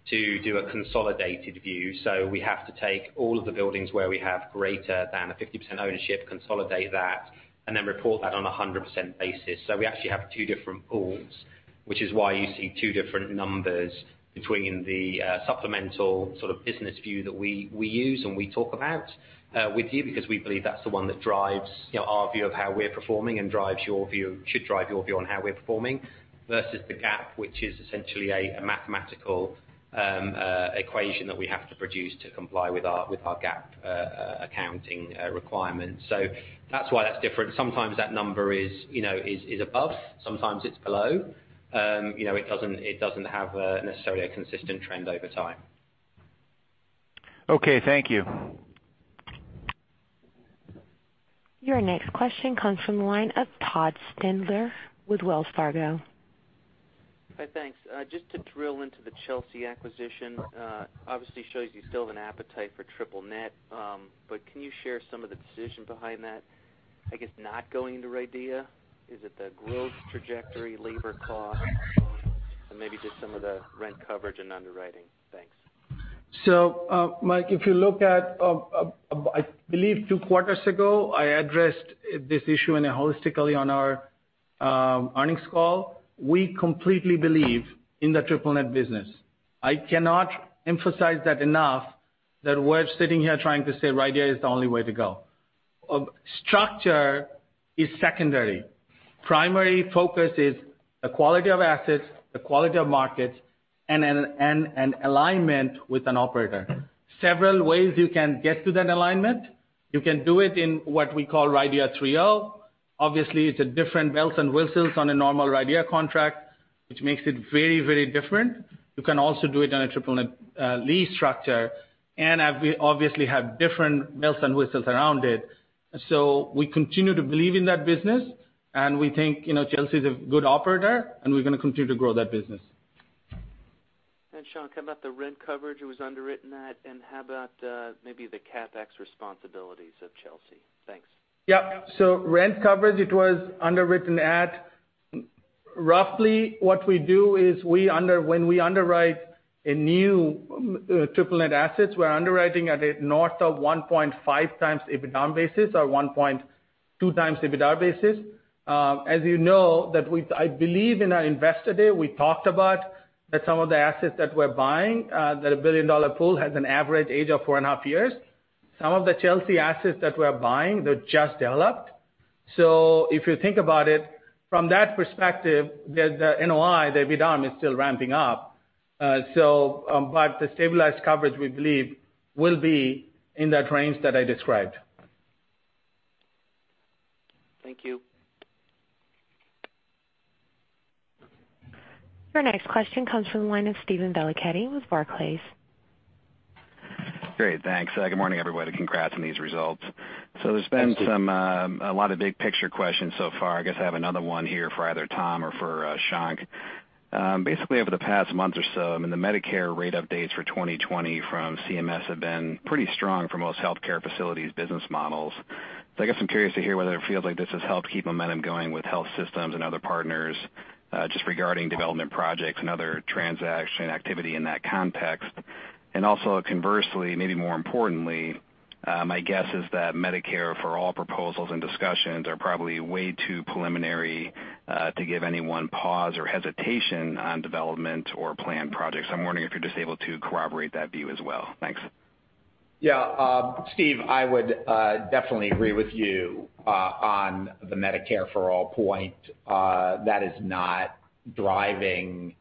S5: to do a consolidated view. We have to take all of the buildings where we have greater than a 50% ownership, consolidate that, and then report that on 100% basis. We actually have two different pools, which is why you see two different numbers between the supplemental sort of business view that we use and we talk about with you, because we believe that's the one that drives our view of how we're performing and should drive your view on how we're performing, versus the GAAP, which is essentially a mathematical equation that we have to produce to comply with our GAAP accounting requirements. That's why that's different. Sometimes that number is above, sometimes it's below. It doesn't have necessarily a consistent trend over time.
S15: Okay, thank you.
S1: Your next question comes from the line of Todd Stender with Wells Fargo.
S16: Hi, thanks. Just to drill into the Chelsea acquisition, obviously shows you still have an appetite for triple net. Can you share some of the decision behind that, I guess, not going into RIDEA? Is it the growth trajectory, labor cost? Maybe just some of the rent coverage and underwriting. Thanks.
S4: Todd, if you look at, I believe two quarters ago, I addressed this issue holistically on our earnings call. We completely believe in the triple net business. I cannot emphasize that enough that we're sitting here trying to say RIDEA is the only way to go. Structure is secondary. Primary focus is the quality of assets, the quality of markets, and an alignment with an operator. Several ways you can get to that alignment. You can do it in what we call RIDEA 3.0. Obviously, it's a different bells and whistles on a normal RIDEA contract, which makes it very different. You can also do it on a triple net lease structure, we obviously have different bells and whistles around it. We continue to believe in that business, we think Chelsea is a good operator, and we're going to continue to grow that business.
S16: Shankh, how about the rent coverage it was underwritten at, and how about maybe the CapEx responsibilities of Chelsea? Thanks.
S4: Yep. Rent coverage, it was underwritten at roughly what we do is when we underwrite a new triple net asset, we're underwriting at north of 1.5x EBITDA basis or 1.2x EBITDA basis. As you know, I believe in our investor day, we talked about that some of the assets that we're buying, that a billion-dollar pool has an average age of four and a half years. Some of the Chelsea assets that we're buying, they're just developed. If you think about it from that perspective, the NOI, the EBITDA is still ramping up. The stabilized coverage, we believe will be in that range that I described.
S16: Thank you.
S1: Your next question comes from the line of Steven Valiquette with Barclays.
S17: Great. Thanks. Good morning, everybody. Congrats on these results.
S4: Thank you.
S17: There's been a lot of big picture questions so far. I guess I have another one here for either Tom or for Shankh. Over the past month or so, I mean, the Medicare rate updates for 2020 from CMS have been pretty strong for most healthcare facilities' business models. I guess I'm curious to hear whether it feels like this has helped keep momentum going with health systems and other partners, just regarding development projects and other transaction activity in that context. Conversely, maybe more importantly, my guess is that Medicare for All proposals and discussions are probably way too preliminary to give anyone pause or hesitation on development or planned projects. I'm wondering if you're just able to corroborate that view as well. Thanks.
S4: Steve, I would definitely agree with you on the Medicare for All point. That is not driving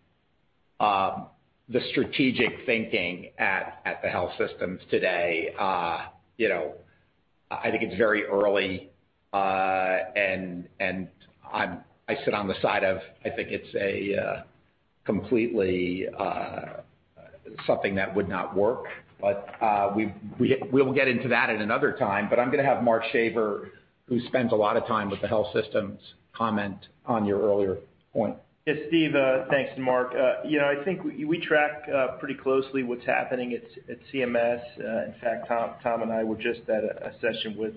S4: the strategic thinking at the health systems today. I think it's very early, and I sit on the side of, I think it's completely something that would not work, but we'll get into that at another time. I'm going to have Mark Shaver, who spends a lot of time with the health systems, comment on your earlier point.
S18: Yes, Steve. Thanks, Mark. I think we track pretty closely what's happening at CMS. In fact, Tom and I were just at a session with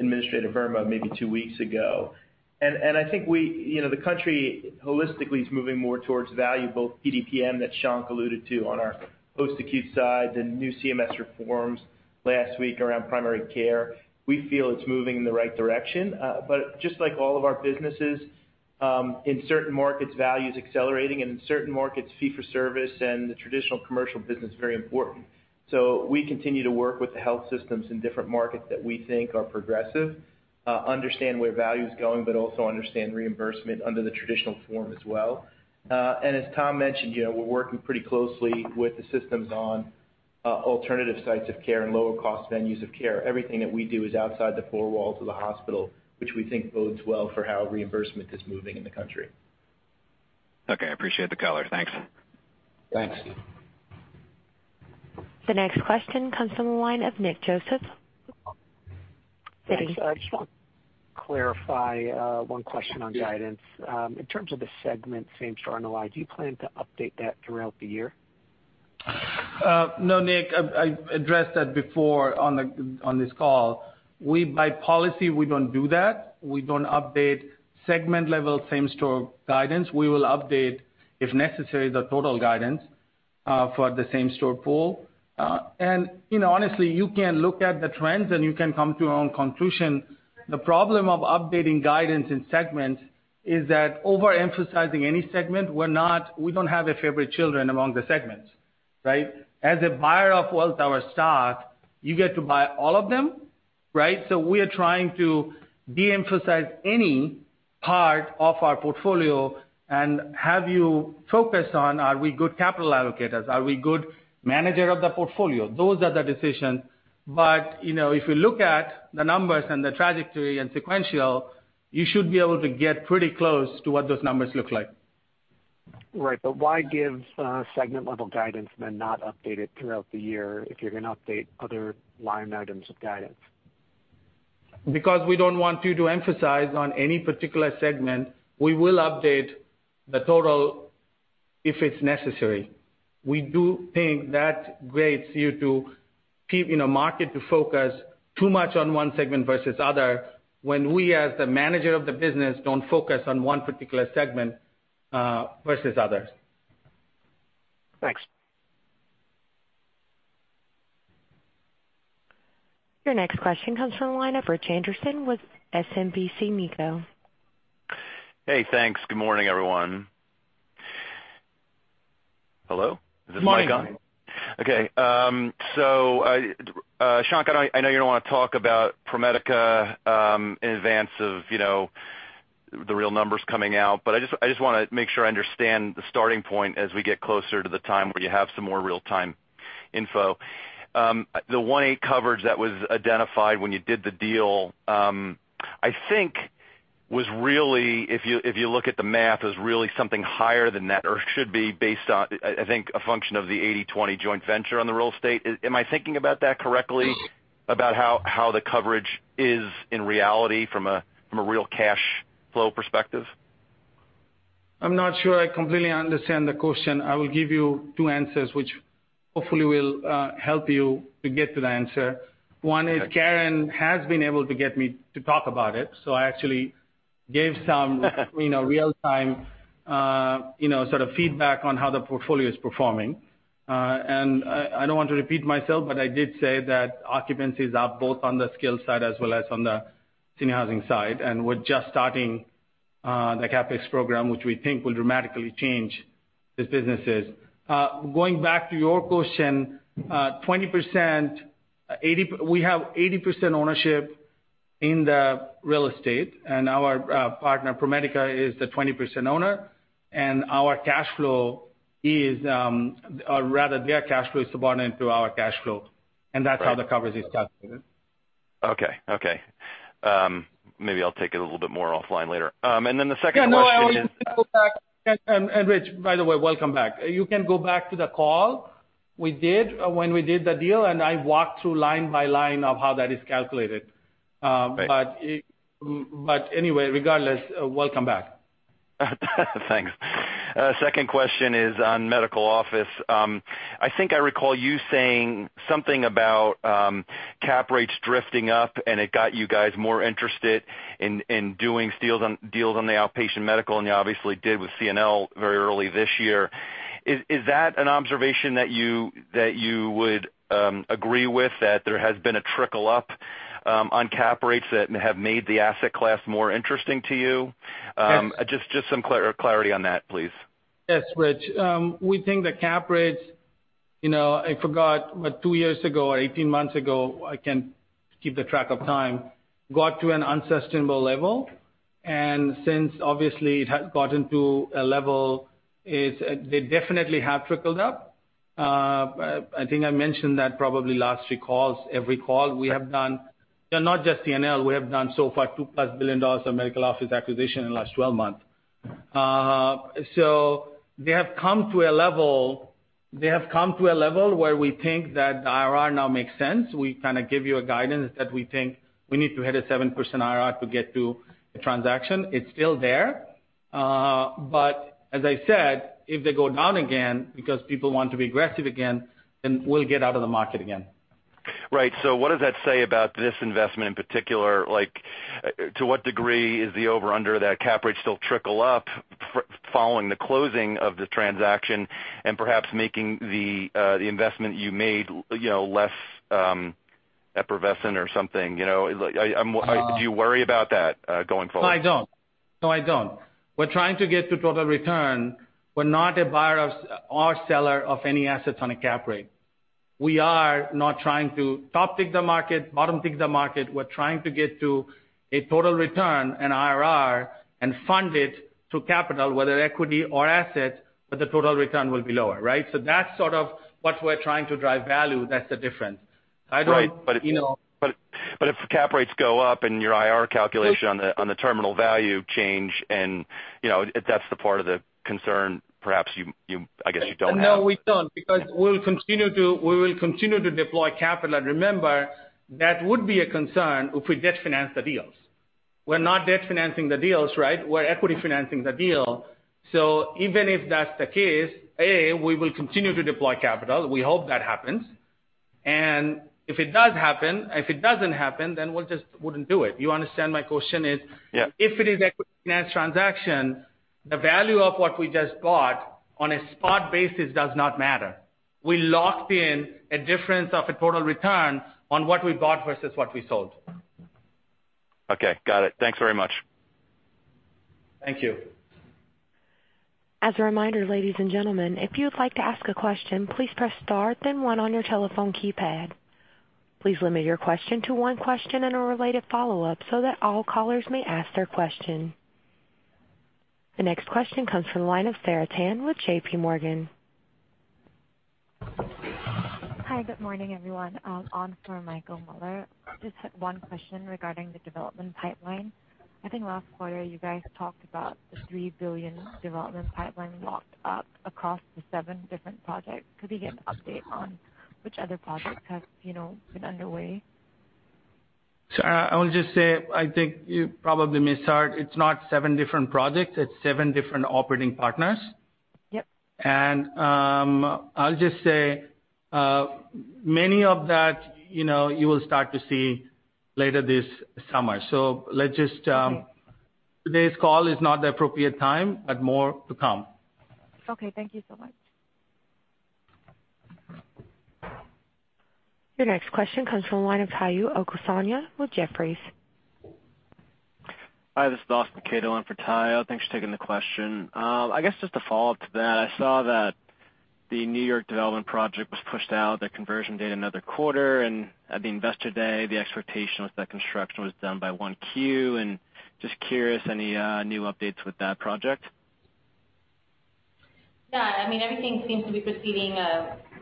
S18: Administrator Verma maybe two weeks ago. I think the country holistically is moving more towards valuable PDPM that Shankh alluded to on our post-acute side, the new CMS reforms last week around primary care. We feel it's moving in the right direction. Just like all of our businesses, in certain markets, value is accelerating, and in certain markets, fee for service and the traditional commercial business are very important. We continue to work with the health systems in different markets that we think are progressive, understand where value is going, but also understand reimbursement under the traditional form as well. As Tom mentioned, we're working pretty closely with the systems on alternative sites of care and lower cost venues of care. Everything that we do is outside the four walls of the hospital, which we think bodes well for how reimbursement is moving in the country.
S17: Okay. I appreciate the color. Thanks.
S4: Thanks.
S1: The next question comes from the line of Nick Joseph, Citi.
S19: Thanks. I just want to clarify one question on guidance. In terms of the segment same-store NOI, do you plan to update that throughout the year?
S4: No, Nick, I addressed that before on this call. By policy, we don't do that. We don't update segment-level same-store guidance. We will update, if necessary, the total guidance for the same-store pool. Honestly, you can look at the trends, and you can come to your own conclusion. The problem of updating guidance in segments is that overemphasizing any segment, we don't have favorite children among the segments. Right? As a buyer of Welltower stock, you get to buy all of them. Right? We are trying to de-emphasize any part of our portfolio and have you focus on, are we good capital allocators? Are we good managers of the portfolio? Those are the decisions. If you look at the numbers and the trajectory and sequential, you should be able to get pretty close to what those numbers look like.
S19: Right. Why give segment-level guidance, then not update it throughout the year if you're going to update other line items of guidance?
S4: We don't want you to emphasize on any particular segment. We will update the total if it's necessary. We do think that leads the market to focus too much on one segment versus other, when we, as the manager of the business, don't focus on one particular segment versus others.
S19: Thanks.
S1: Your next question comes from the line of Rich Anderson with SMBC Nikko.
S20: Hey, thanks. Good morning, everyone. Hello? Is this mic on?
S4: Morning.
S20: Okay. Shankh, I know you don't want to talk about ProMedica in advance of the real numbers coming out, but I just want to make sure I understand the starting point as we get closer to the time where you have some more real-time info. The 1.8 coverage that was identified when you did the deal, I think was really, if you look at the math, is really something higher than that or should be based on, I think, a function of the 80-20 joint venture on the real estate. Am I thinking about that correctly? About how the coverage is in reality from a real cash flow perspective?
S4: I'm not sure I completely understand the question. I will give you two answers which hopefully will help you to get to the answer. One is Karin has been able to get me to talk about it, I actually gave some real-time sort of feedback on how the portfolio is performing. I don't want to repeat myself, but I did say that occupancy is up both on the skilled side as well as on the senior housing side. We're just starting the CapEx program, which we think will dramatically change these businesses. Going back to your question, we have 80% ownership in the real estate, our partner, ProMedica, is the 20% owner, their cash flow is subordinate to our cash flow, that's how the coverage is calculated.
S20: Okay. Maybe I'll take it a little bit more offline later. The second question is-
S4: Yeah, no, Rich, by the way, welcome back. You can go back to the call we did when we did the deal, I walked through line by line of how that is calculated.
S20: Right.
S4: Regardless, welcome back.
S20: Thanks. Second question is on medical office. I think I recall you saying something about cap rates drifting up, and it got you guys more interested in doing deals on the outpatient medical, and you obviously did with CNL very early this year. Is that an observation that you would agree with, that there has been a trickle up on cap rates that have made the asset class more interesting to you? Just some clarity on that, please.
S4: Yes, Rich. We think the cap rates, I forgot what, two years ago or 18 months ago, I can't keep the track of time, got to an unsustainable level, and since obviously it had gotten to a level, they definitely have trickled up. I think I mentioned that probably last three calls. Every call we have done. Not just CNL, we have done so far $2 billion+ of medical office acquisition in the last 12 months. They have come to a level where we think that IRR now makes sense. We kind of give you a guidance that we think we need to hit a 7% IRR to get to the transaction. It's still there. As I said, if they go down again because people want to be aggressive again, we'll get out of the market again.
S20: Right. What does that say about this investment in particular? Like, to what degree is the over/under that cap rate still trickle up following the closing of the transaction and perhaps making the investment you made less effervescent or something? Do you worry about that going forward?
S4: No, I don't. We're trying to get to total return. We're not a buyer or seller of any assets on a cap rate. We are not trying to top tick the market, bottom tick the market. We're trying to get to a total return, an IRR, and fund it through capital, whether equity or assets, but the total return will be lower, right? That's sort of what we're trying to drive value. That's the difference.
S20: Right. If cap rates go up and your IRR calculation on the terminal value change, and that's the part of the concern perhaps you, I guess, you don't have.
S4: No, we don't, because we'll continue to deploy capital. Remember, that would be a concern if we debt finance the deals. We're not debt financing the deals, right? We're equity financing the deal. Even if that's the case, A, we will continue to deploy capital. We hope that happens. If it doesn't happen, then we just wouldn't do it.
S20: Yeah
S4: if it is equity finance transaction, the value of what we just bought on a spot basis does not matter. We locked in a difference of a total return on what we bought versus what we sold.
S20: Okay, got it. Thanks very much.
S4: Thank you.
S1: As a reminder, ladies and gentlemen, if you would like to ask a question, please press star, then one on your telephone keypad. Please limit your question to one question and a related follow-up so that all callers may ask their question. The next question comes from the line of Sarah Tan with JPMorgan.
S21: Hi, good morning, everyone. On for Michael Mueller. Just had one question regarding the development pipeline. I think last quarter you guys talked about the $3 billion development pipeline locked up across the seven different projects. Could we get an update on which other projects have been underway?
S4: I will just say, I think you probably misheard. It's not seven different projects, it's seven different operating partners.
S21: Yep.
S4: I'll just say, many of that you will start to see later this summer.
S21: Okay.
S4: Today's call is not the appropriate time, but more to come.
S21: Okay, thank you so much.
S1: Your next question comes from the line of Tayo Okusanya with Jefferies.
S22: Hi, this is Austin Caito in for Tayo. Thanks for taking the question. I guess just a follow-up to that, I saw that the New York development project was pushed out, the conversion date another quarter. At the Investor Day, the expectation was that construction was done by one Q. Just curious, any new updates with that project?
S7: Yeah. Everything seems to be proceeding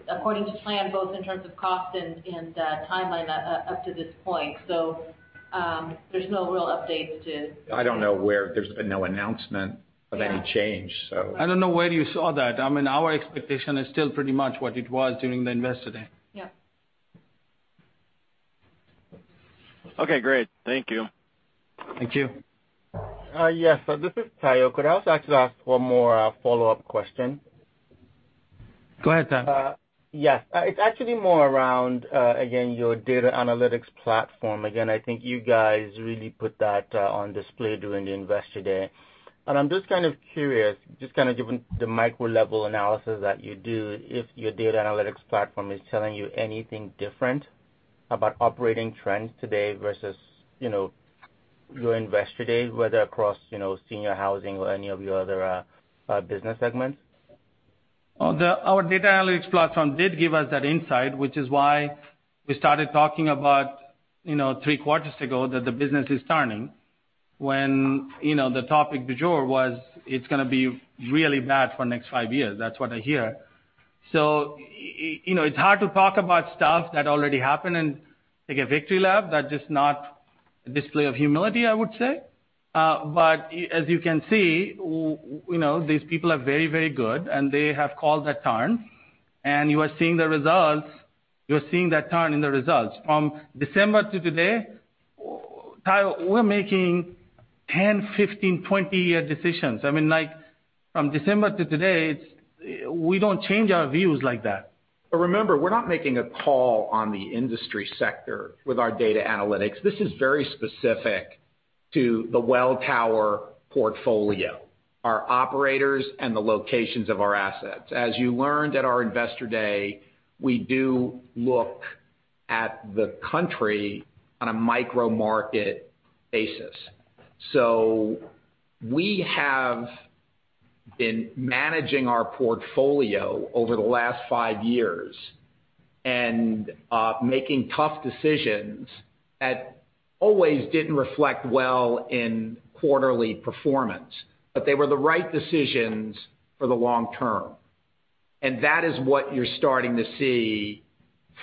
S7: according to plan, both in terms of cost and timeline up to this point. There's no real updates.
S3: There's been no announcement of any change.
S4: I don't know where you saw that. Our expectation is still pretty much what it was during the Investor Day.
S7: Yeah.
S22: Okay, great. Thank you.
S4: Thank you.
S23: Yes, this is Tayo. Could I also actually ask one more follow-up question?
S4: Go ahead, Tayo.
S23: Yes. It's actually more around, again, your data analytics platform. Again, I think you guys really put that on display during the Investor Day. I'm just kind of curious, just given the micro level analysis that you do, if your data analytics platform is telling you anything different about operating trends today versus your Investor Day, whether across senior housing or any of your other business segments?
S4: Our data analytics platform did give us that insight, which is why we started talking about three quarters ago that the business is turning when the topic du jour was, it's going to be really bad for next five years. That's what I hear. It's hard to talk about stuff that already happened and take a victory lap. That's just not a display of humility, I would say. As you can see, these people are very, very good, and they have called that turn, and you are seeing the results. You're seeing that turn in the results. From December to today, Tayo, we're making 10, 15, 20-year decisions. From December to today, we don't change our views like that.
S3: Remember, we're not making a call on the industry sector with our data analytics. This is very specific to the Welltower portfolio, our operators, and the locations of our assets. As you learned at our Investor Day, we do look at the country on a micro market basis. We have been managing our portfolio over the last five years and making tough decisions that always didn't reflect well in quarterly performance. They were the right decisions for the long term. That is what you're starting to see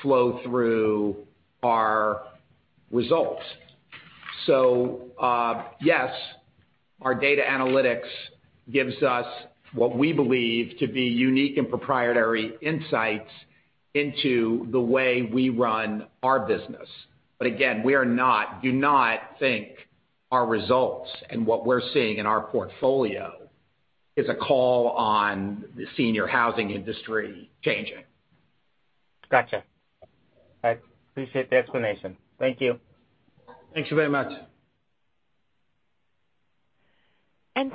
S3: flow through our results. Yes, our data analytics gives us what we believe to be unique and proprietary insights into the way we run our business. Again, we do not think our results and what we're seeing in our portfolio is a call on the senior housing industry changing.
S23: Got you. I appreciate the explanation. Thank you.
S4: Thank you very much.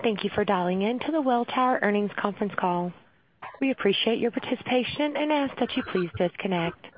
S1: Thank you for dialing in to the Welltower earnings conference call. We appreciate your participation and ask that you please disconnect.